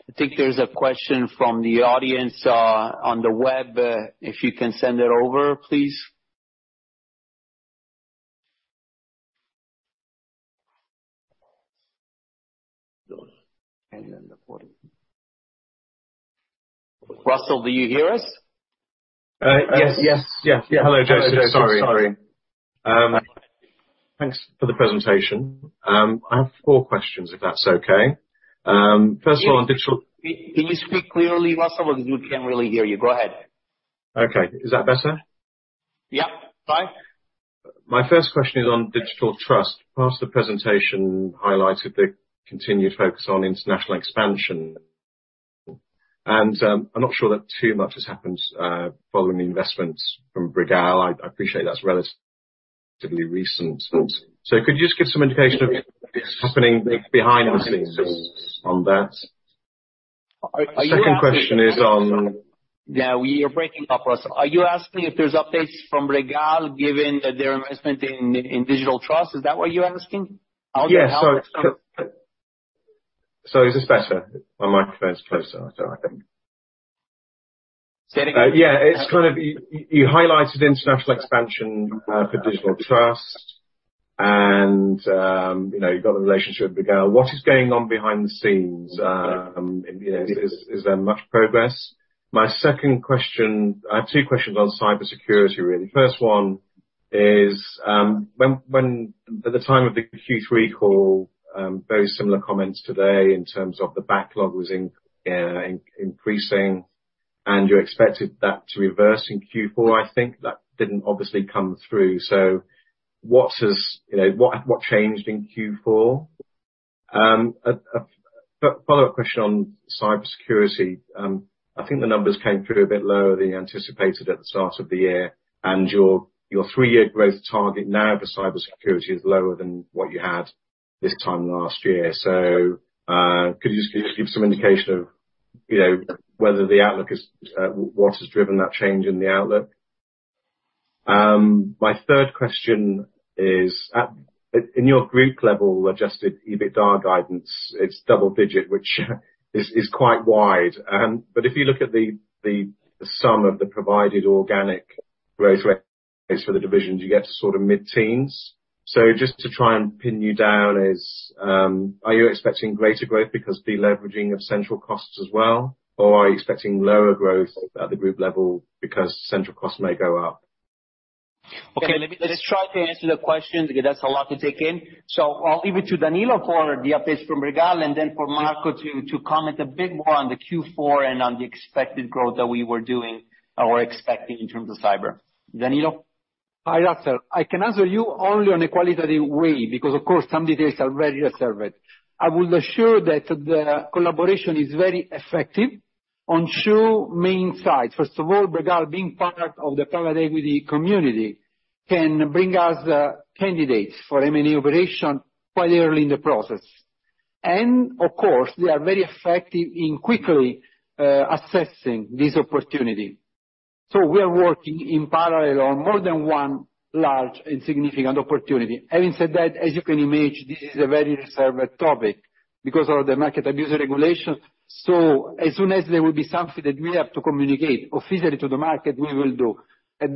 I think there's a question from the audience, on the web, if you can send it over, please. Russell, do you hear us? Yes. Yes. Yes. Hello, Josef. Sorry. thanks for the presentation. I have four questions, if that's okay. first of all, on digital- Can you speak clearly, Russell? We can't really hear you. Go ahead. Okay. Is that better? Yeah, try. My first question is on digital trust. Past the presentation highlighted the continued focus on international expansion. I'm not sure that too much has happened following the investments from Bregal. I appreciate that's relatively recent. Could you just give some indication of what's happening behind the scenes on that? Are you asking...? Second question is on. Yeah, we are breaking up, Russell. Are you asking if there's updates from Bregal given their investment in digital trust? Is that what you're asking? Yeah. Is this better? My microphone is closer, so I think. Say it again. Yeah, it's kind of. You highlighted international expansion for digital trust and, you know, you've got a relationship with Bregal. What is going on behind the scenes? You know, is there much progress? My second question. I have two questions on cybersecurity really. First one is, when at the time of the Q3 call, very similar comments today in terms of the backlog was increasing, and you expected that to reverse in Q4, I think. That didn't obviously come through. What is, you know, what changed in Q4? A follow-up question on cybersecurity. I think the numbers came through a bit lower than you anticipated at the start of the year. Your three-year growth target now for cybersecurity is lower than what you had this time last year. Could you just give some indication of, you know, whether the outlook is, what has driven that change in the outlook? My third question is, in your group level-adjusted EBITDA guidance, it's double-digit, which is quite wide. If you look at the sum of the provided organic growth rates. It's for the divisions, you get to sort of mid-teens. Just to try and pin you down is, are you expecting greater growth because deleveraging of central costs as well, or are you expecting lower growth at the group level because central costs may go up? Okay. Let's try to answer the question because that's a lot to take in. I'll leave it to Danilo for the updates from Bregal, for Marco to comment a bit more on the Q4 and on the expected growth that we were doing or were expecting in terms of cyber. Danilo? Hi, Russell. I can answer you only on a qualitative way because, of course, some details are very reserved. I will assure that the collaboration is very effective on two main sides. First of all, Bregal being part of the private equity community can bring us candidates for M&A operation quite early in the process. Of course, they are very effective in quickly assessing this opportunity. We are working in parallel on more than one large and significant opportunity. Having said that, as you can imagine, this is a very reserved topic because of the market abuse regulation. As soon as there will be something that we have to communicate officially to the market, we will do. At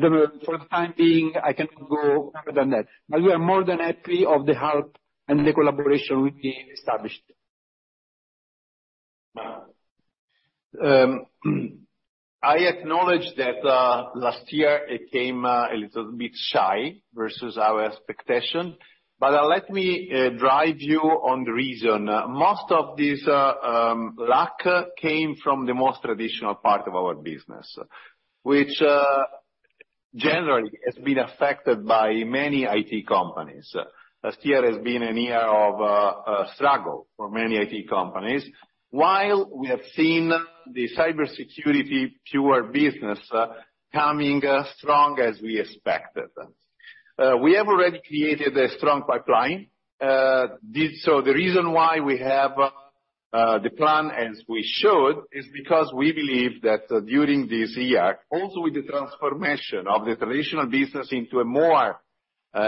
for the time being, I cannot go further than that. We are more than happy of the help and the collaboration we've established. I acknowledge that last year it came a little bit shy versus our expectation. Let me drive you on the reason. Most of this lack came from the most traditional part of our business, which generally has been affected by many IT companies. Last year has been a year of struggle for many IT companies, while we have seen the cybersecurity pure business coming strong as we expected. We have already created a strong pipeline. The reason why we have the plan as we showed is because we believe that during this year, also with the transformation of the traditional business into a more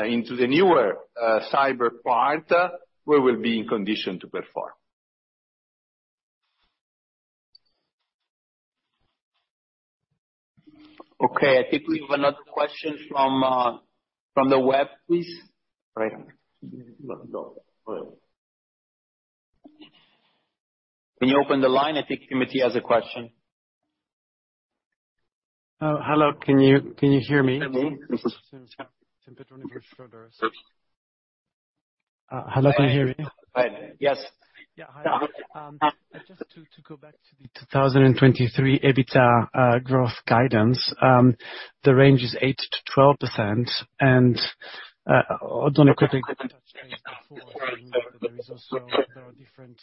into the newer cyber part, we will be in condition to perform. Okay, I think we have another question from the web, please. Right. Can you open the line? I think Timothy has a question. Oh, hello. Can you hear me? Can you hear me? Hello, can you hear me? Yes. Yeah. Hi. Just to go back to the 2023 EBITDA growth guidance. The range is 8%-12%. Oddone quickly touched base before saying that there are different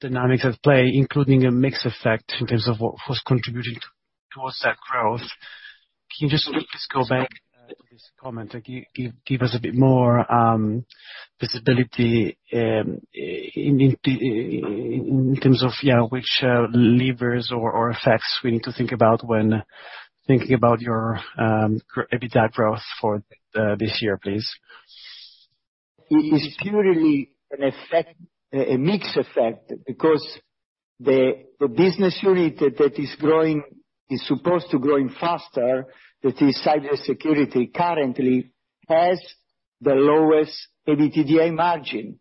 dynamics at play, including a mix effect in terms of what's contributing towards that growth. Can you just go back to this comment? Like, give us a bit more visibility in terms of, yeah, which levers or effects we need to think about when thinking about your EBITDA growth for this year, please. It is purely an effect, a mix effect because the business unit that is growing is supposed to growing faster. That is, cybersecurity currently has the lowest EBITDA margin.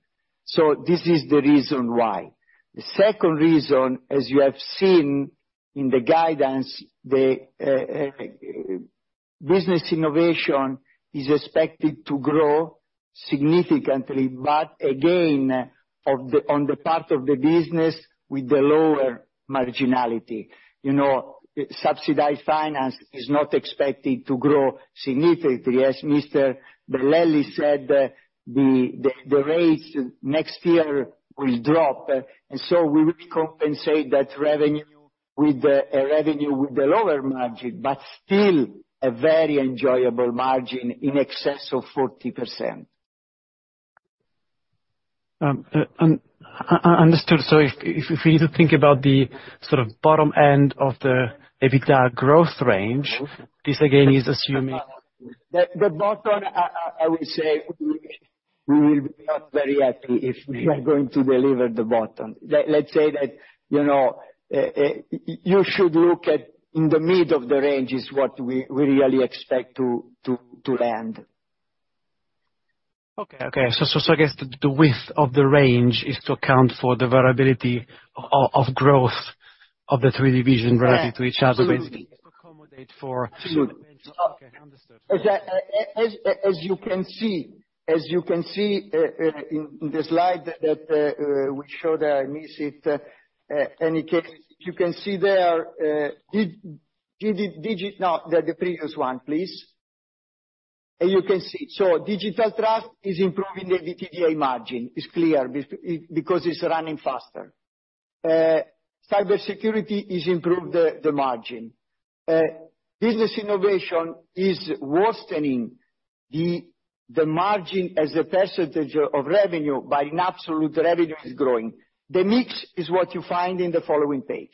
This is the reason why. The second reason, as you have seen in the guidance, the business innovation is expected to grow significantly, but again, on the part of the business with the lower marginality. You know, subsidized finance is not expected to grow significantly. As Mr. Bellelli said, the rates next year will drop, we will compensate that revenue with the revenue with the lower margin, but still a very enjoyable margin in excess of 40%. understood. If, if we need to think about the sort of bottom end of the EBITDA growth range, this again is assuming... The bottom, I would say we will be not very happy if we are going to deliver the bottom. Let's say that, you know, you should look at in the mid of the range is what we really expect to land. Okay. I guess the width of the range is to account for the variability of growth of the three divisions relative to each other, basically. Absolutely. To accommodate Sure. Okay, understood. As you can see in the slide that we showed, I miss it. Any case, you can see there. No, the previous one, please. You can see. Digital trust is improving the EBITDA margin. It's clear because it's running faster. Cybersecurity is improved the margin. Business innovation is worsening the margin as a percentage of revenue. In absolute revenue is growing. The mix is what you find in the following page.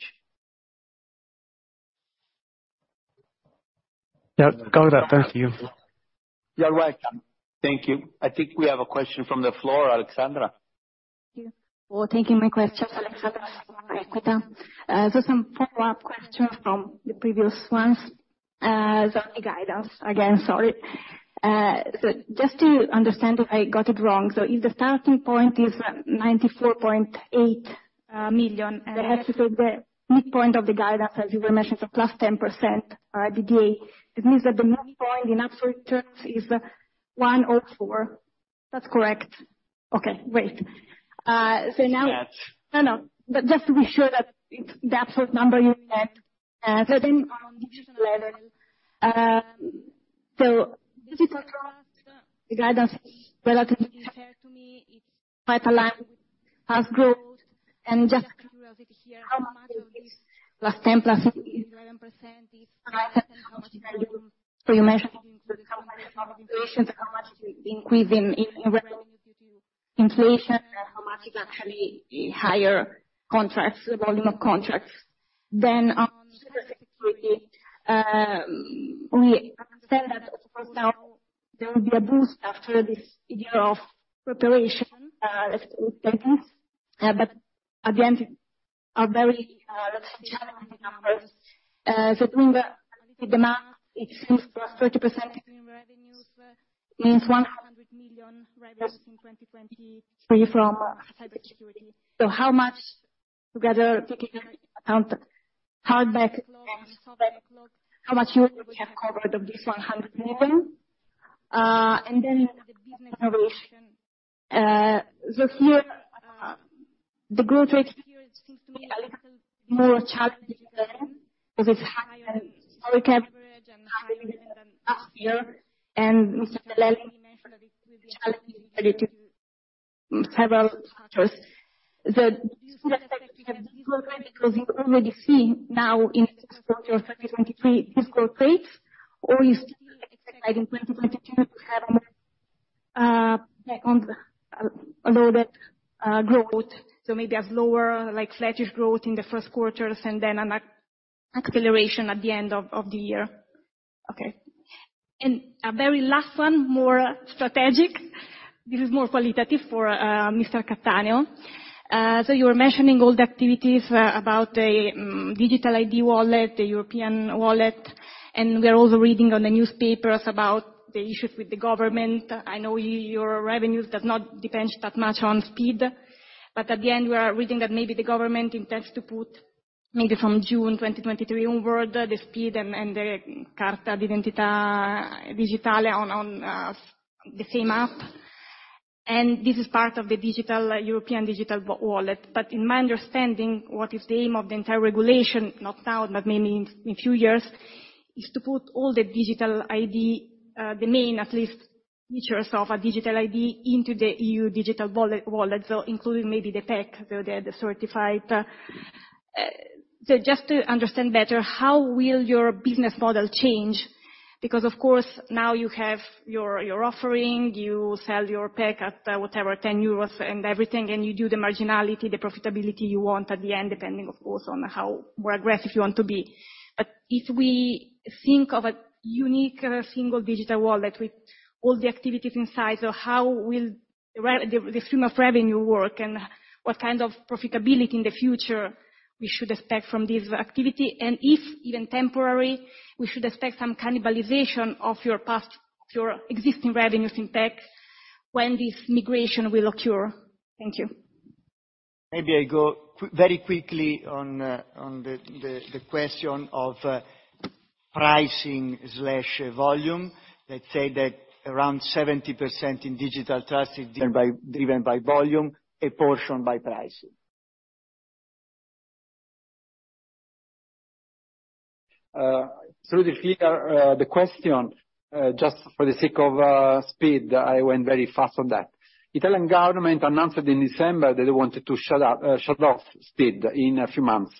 Yeah. Got that. Thank you. You're right. Thank you. I think we have a question from the floor, Aleksandra. Thank you for taking my question. Aleksandra Arsova, Equita. Just some follow-up questions from the previous ones. The guidance, again, sorry. Just to understand if I got it wrong, if the starting point is 94.8 million, that has to be the midpoint of the guidance, as you were mentioning, +10% at the day. It means that the midpoint in absolute terms is 104. That's correct? Okay, great. Yes. No, no. Just to be sure that it's the absolute number you meant. On division level, Digital Trust, the guidance is relatively fair to me. It's quite aligned with past growth. Just curiosity here, how much of this +10-+11% is So you mentioned including company profitability, how much is increased in revenue due to inflation and how much is actually higher contracts, volume of contracts? On Cybersecurity, we understand that for now there will be a boost after this idea of preparation with payments. Again, are very, let's say, challenging numbers. Doing the demand, it seems +30% in revenues means 100 million revenues in 2023 from Cybersecurity. How much together taken into account hard back log and soft backlog, how much you already have covered of this 100 million? Then the business innovation. Here, the growth rate here seems to me a little more challenging than, because it's higher coverage and higher than last year. Mr. Bellelli mentioned that it will be challenging relative to several factors. Do you still expect to have difficult rates because you already see now in Q4 2023 difficult rates? You still expect in 2022 to have back on a little bit growth, so maybe a slower like flattish growth in the first quarters and then an acceleration at the end of the year? Okay. A very last one, more strategic. This is more qualitative for Mr. Cattaneo. You were mentioning all the activities about the digital ID wallet, the European Wallet, and we are also reading on the newspapers about the issues with the government. I know your revenues does not depend that much on SPID, at the end, we are reading that maybe the government intends to put maybe from June 2023 onward the SPID and the Carta d'Identità Elettronica on the same app. This is part of the European Digital Identity Wallet. In my understanding, what is the aim of the entire regulation, not now, but maybe in few years, is to put all the digital ID, the main at least features of a digital ID into the EU Digital Wallet, so including maybe the PEC, the certified. Just to understand better, how will your business model change? Of course, now you have your offering, you sell your PEC at whatever 10 euros and everything, and you do the marginality, the profitability you want at the end, depending of course on how, more aggressive you want to be. If we think of a unique single digital wallet with all the activities inside, how will the stream of revenue work and what kind of profitability in the future we should expect from this activity? If even temporary, we should expect some cannibalization of your past, your existing revenues in PEC when this migration will occur. Thank you. Maybe I go very quickly on the question of pricing slash volume. Let's say that around 70% in digital trust is driven by volume, a portion by pricing. To hear the question, just for the sake of SPID, I went very fast on that. Italian government announced in December that they wanted to shut off SPID in a few months.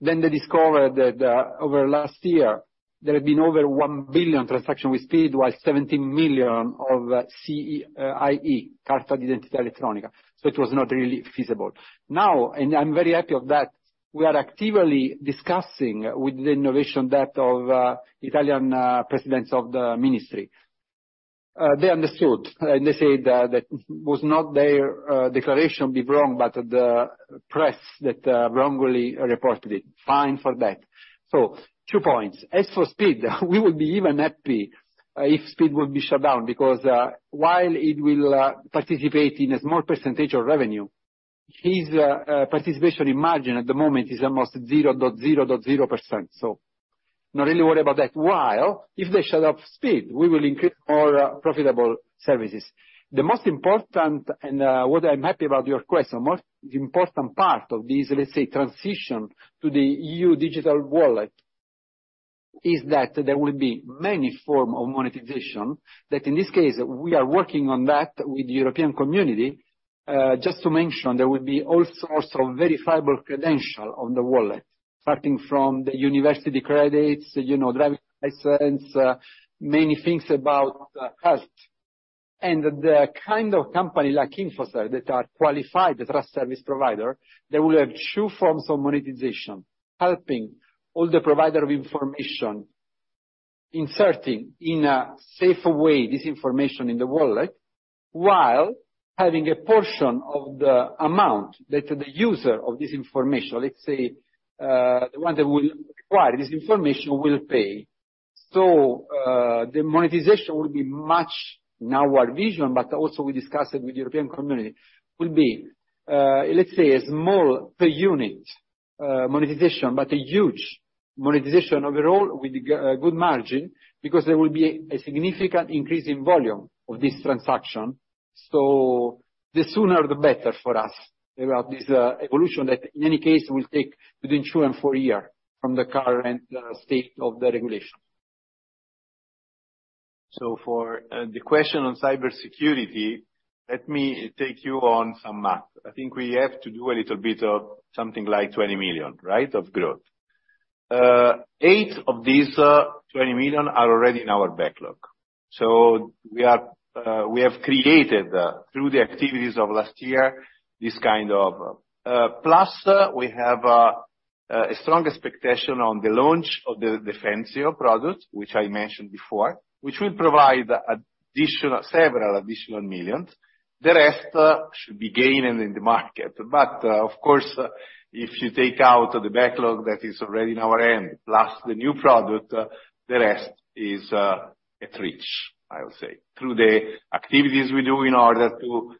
They discovered that over last year there had been over 1 billion transaction with SPID, while 70 million of CIE, Carta d'Identità Elettronica. It was not really feasible. Now, I'm very happy of that, we are actively discussing with the innovation that of Italian presidents of the ministry. They understood, they say that was not their declaration be wrong, but the press that wrongly reported it. Fine for that. 2 points. As for SPID, we would be even happy if SPID would be shut down, because while it will participate in a small percentage of revenue, his participation in margin at the moment is almost 0.0.0%. Not really worried about that. While if they shut off SPID, we will increase more profitable services. The most important, and what I'm happy about your question, most important part of this, let's say, transition to the EU digital wallet, is that there will be many form of monetization that in this case, we are working on that with the European Community. Just to mention, there will be also some verifiable credential on the wallet, starting from the university credits, you know, driving license, many things about, health. The kind of company like InfoCert that are qualified as trust service provider, they will have 2 forms of monetization, helping all the provider of information inserting in a safer way this information in the wallet, while having a portion of the amount that the user of this information, let's say, the one that will require this information will pay. The monetization will be much in our vision, but also we discussed it with European Community, will be, let's say, a small per unit monetization, but a huge monetization overall with good margin, because there will be a significant increase in volume of this transaction. The sooner the better for us about this evolution that in any case will take between 2 and 4 years from the current state of the regulation. For the question on cybersecurity, let me take you on some math. I think we have to do a little bit of something like 20 million, right, of growth. Eight of these, 20 million are already in our backlog. We have created through the activities of last year, this kind of. Plus we have a strong expectation on the launch of the Defensio product, which I mentioned before, which will provide several additional millions. The rest should be gained in the market. Of course, if you take out the backlog that is already in our end plus the new product, the rest is at reach, I would say, through the activities we do in order to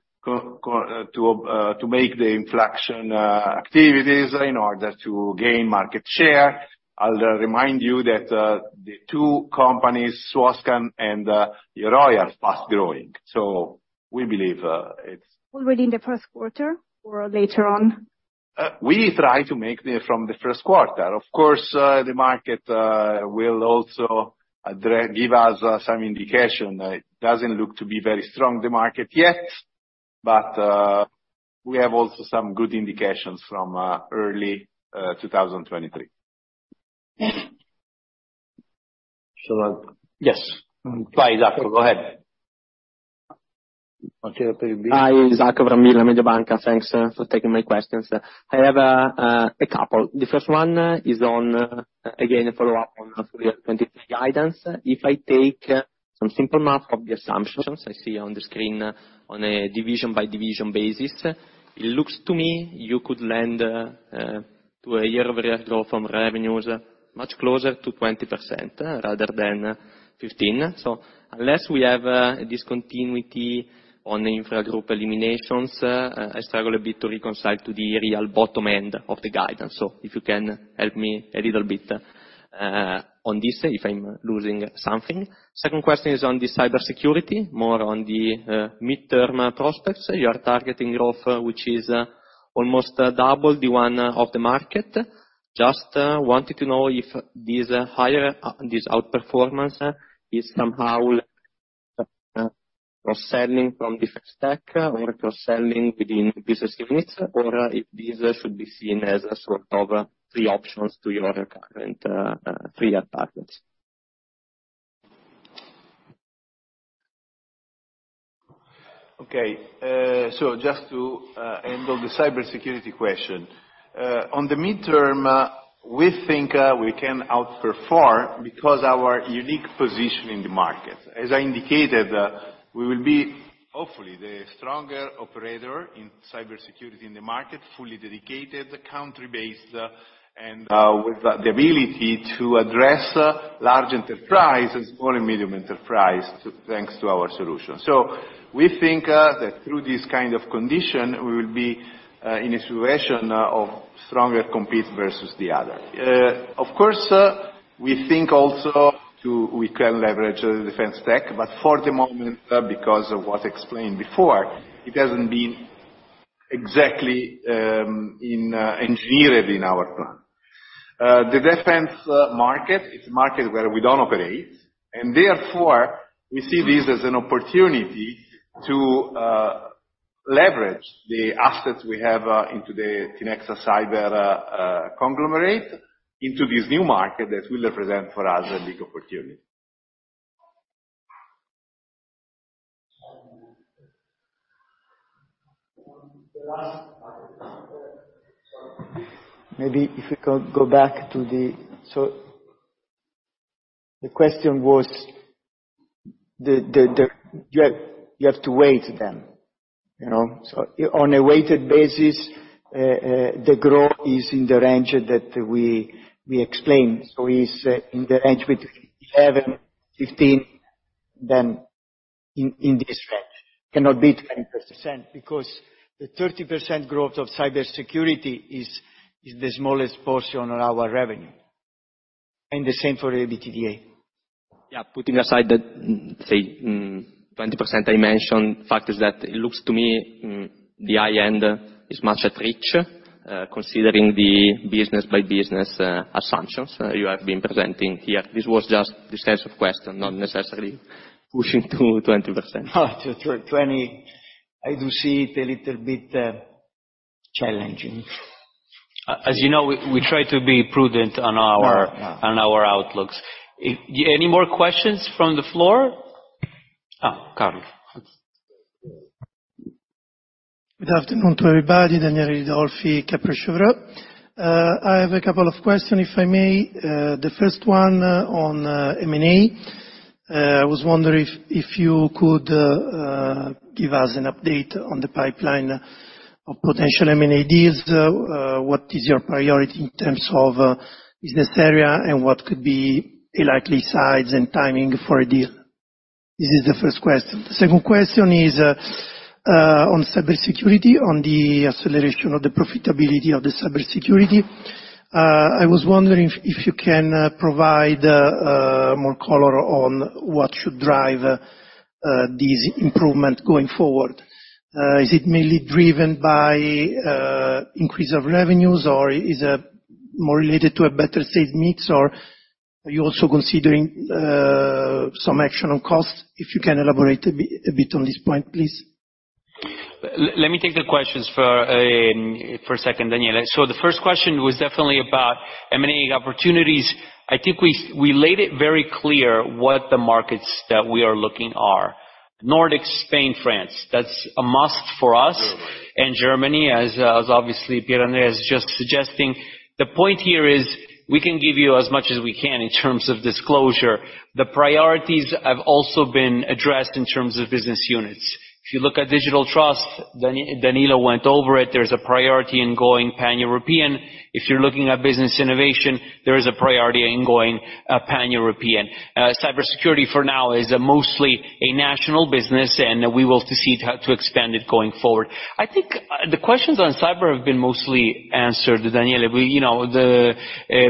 make the inflation activities in order to gain market share. I'll remind you that the two companies, Swascan and Yoroi, are fast growing. We believe. Already in the first quarter or later on? We try to make it from the first quarter. The market will also give us some indication. It doesn't look to be very strong, the market yet. We have also some good indications from early 2023. Yes. Go ahead. Hi, Isacco Brambilla from Mediobanca. Thanks for taking my questions. I have a couple. The first one is on, again, a follow-up on the full year 2023 guidance. If I take some simple math of the assumptions I see on the screen on a division by division basis, it looks to me you could lend to a year-over-year growth from revenues much closer to 20% rather than 15%. Unless we have a discontinuity on the infra group eliminations, I struggle a bit to reconcile to the real bottom end of the guidance. If you can help me a little bit on this, if I'm losing something. Second question is on the cybersecurity, more on the midterm prospects. You are targeting growth, which is almost double the one of the market. Just wanted to know if this higher. This outperformance is somehow cross-selling from different stack or cross-selling within business units, or if this should be seen as a sort of pre-options to your current, 3-year targets. Okay. Just to handle the cybersecurity question. On the midterm, we think we can outperform because our unique position in the market. As I indicated, we will be hopefully the stronger operator in cybersecurity in the market, fully dedicated, country-based, and with the ability to address large enterprise and Small and Medium Enterprise, thanks to our solution. We think that through this kind of condition, we will be in a situation of stronger compete versus the other. Of course, we think also we can leverage the Defence Tech, but for the moment, because of what explained before, it hasn't been exactly engineered in our plan. The defense market is a market where we don't operate, and therefore we see this as an opportunity to leverage the assets we have into the Tinexta Cyber conglomerate into this new market that will represent for us a big opportunity. Maybe if you go back to the. The question was the. You have, you have to weight them, you know. On a weighted basis, the growth is in the range that we explained. It's in the range between 11%-15%, then in this range. Cannot be 20% because the 30% growth of cybersecurity is the smallest portion of our revenue, and the same for EBITDA. Yeah. Putting aside the, say, 20% I mentioned, fact is that it looks to me, the high end is much at reach, considering the business by business assumptions you have been presenting here. This was just the sense of question, not necessarily pushing to 20%. 20, I do see it a little bit.... challenging. As you know, we try to be prudent. Yeah, yeah. On our outlooks. Any more questions from the floor? Daniele. Good afternoon to everybody. Daniele Ridolfi, Kepler Cheuvreux. I have a couple of questions, if I may. The first one, on M&A. I was wondering if you could give us an update on the pipeline of potential M&A deals. What is your priority in terms of business area, and what could be a likely size and timing for a deal? This is the first question. The second question is on cybersecurity, on the acceleration of the profitability of the cybersecurity. I was wondering if you can provide more color on what should drive these improvement going forward. Is it mainly driven by increase of revenues, or is it more related to a better saved needs, or are you also considering some action on costs? If you can elaborate a bit on this point, please. Let me take the questions for a second, Daniele. The first question was definitely about M&A opportunities. I think we laid it very clear what the markets that we are looking are. Nordic, Spain, France, that's a must for us. Germany, as obviously Pier Andrea is just suggesting. The point here is, we can give you as much as we can in terms of disclosure. The priorities have also been addressed in terms of business units. If you look at digital trust, Danilo went over it, there's a priority in going Pan-European. If you're looking at business innovation, there is a priority in going Pan-European. Cybersecurity, for now, is mostly a national business, and we will to see to expand it going forward. I think the questions on cyber have been mostly answered, Daniele. We, you know, the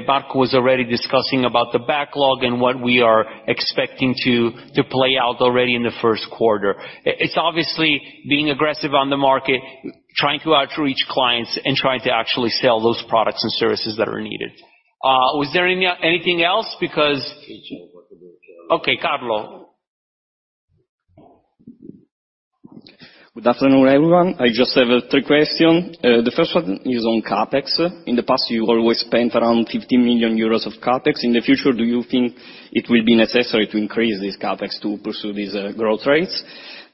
Marco was already discussing about the backlog and what we are expecting to play out already in the first quarter. It's obviously being aggressive on the market, trying to outreach clients and trying to actually sell those products and services that are needed. Was there anything else? Okay, Carlo. Good afternoon, everyone. I just have a three question. The first one is on CapEx. In the past, you always spent around 50 million euros of CapEx. In the future, do you think it will be necessary to increase this CapEx to pursue these growth rates?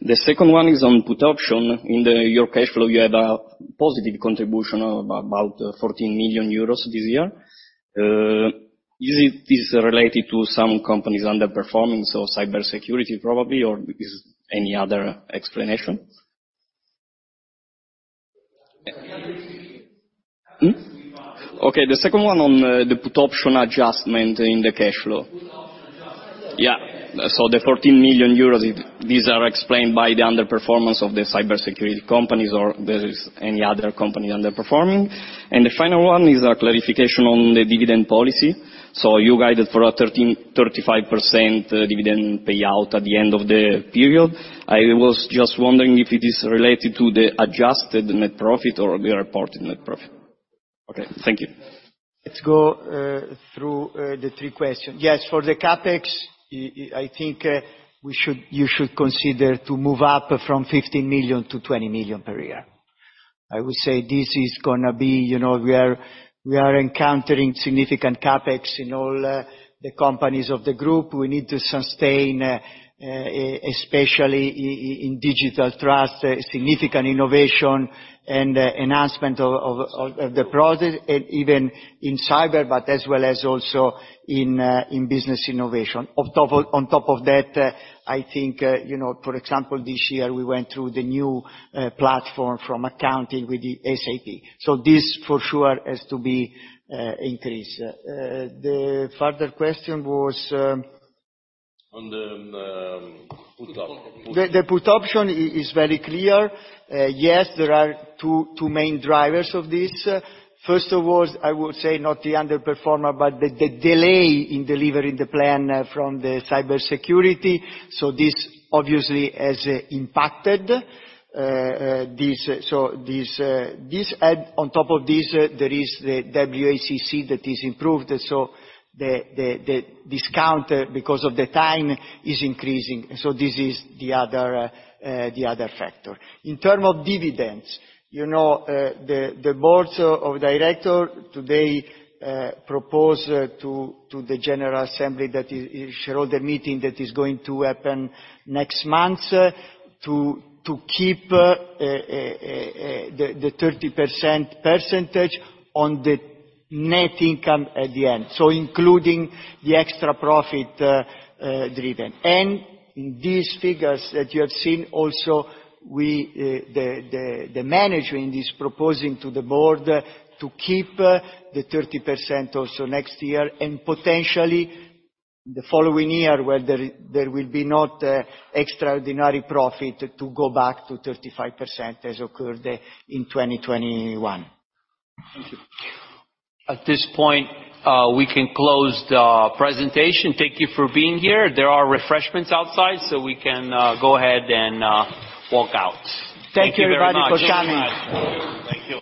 The second one is on put option. In your cash flow, you had a positive contribution of about 14 million euros this year. Is related to some companies underperforming, so cybersecurity probably, or is any other explanation? Okay, the second one on the put option adjustment in the cash flow. Put option adjustment. Yeah. The 14 million euros, these are explained by the underperformance of the cybersecurity companies or there is any other company underperforming. The final one is a clarification on the dividend policy. You guided for a 35% dividend payout at the end of the period. I was just wondering if it is related to the adjusted net profit or the reported net profit. Okay, thank you. Let's go through the three questions. Yes, for the CapEx, I think you should consider to move up from 15 million to 20 million per year. I would say this is gonna be, you know, we are encountering significant CapEx in all the companies of the group. We need to sustain, especially in digital trust, significant innovation and enhancement of the process, and even in cyber, but as well as also in business innovation. On top of that, I think, you know, for example, this year, we went through the new platform from accounting with the SAP. This for sure has to be increased. The further question was. On the put option. The put option is very clear. Yes, there are two main drivers of this. First of all, I would say not the underperformer, but the delay in delivering the plan from the cybersecurity. This obviously has impacted this. This on top of this, there is the WACC that is improved, so the discount, because of the time, is increasing. This is the other factor. In term of dividends, you know, the board of director today proposed to the general assembly that in shareholder meeting that is going to happen next month, to keep the 30% percentage on the net income at the end, so including the extra profit driven. In these figures that you have seen also, we, the management is proposing to the board to keep the 30% also next year, and potentially the following year, where there will be not extraordinary profit to go back to 35% as occurred in 2021. Thank you. At this point, we can close the presentation. Thank you for being here. There are refreshments outside. We can go ahead and walk out. Thank you everybody for coming. Thank you very much.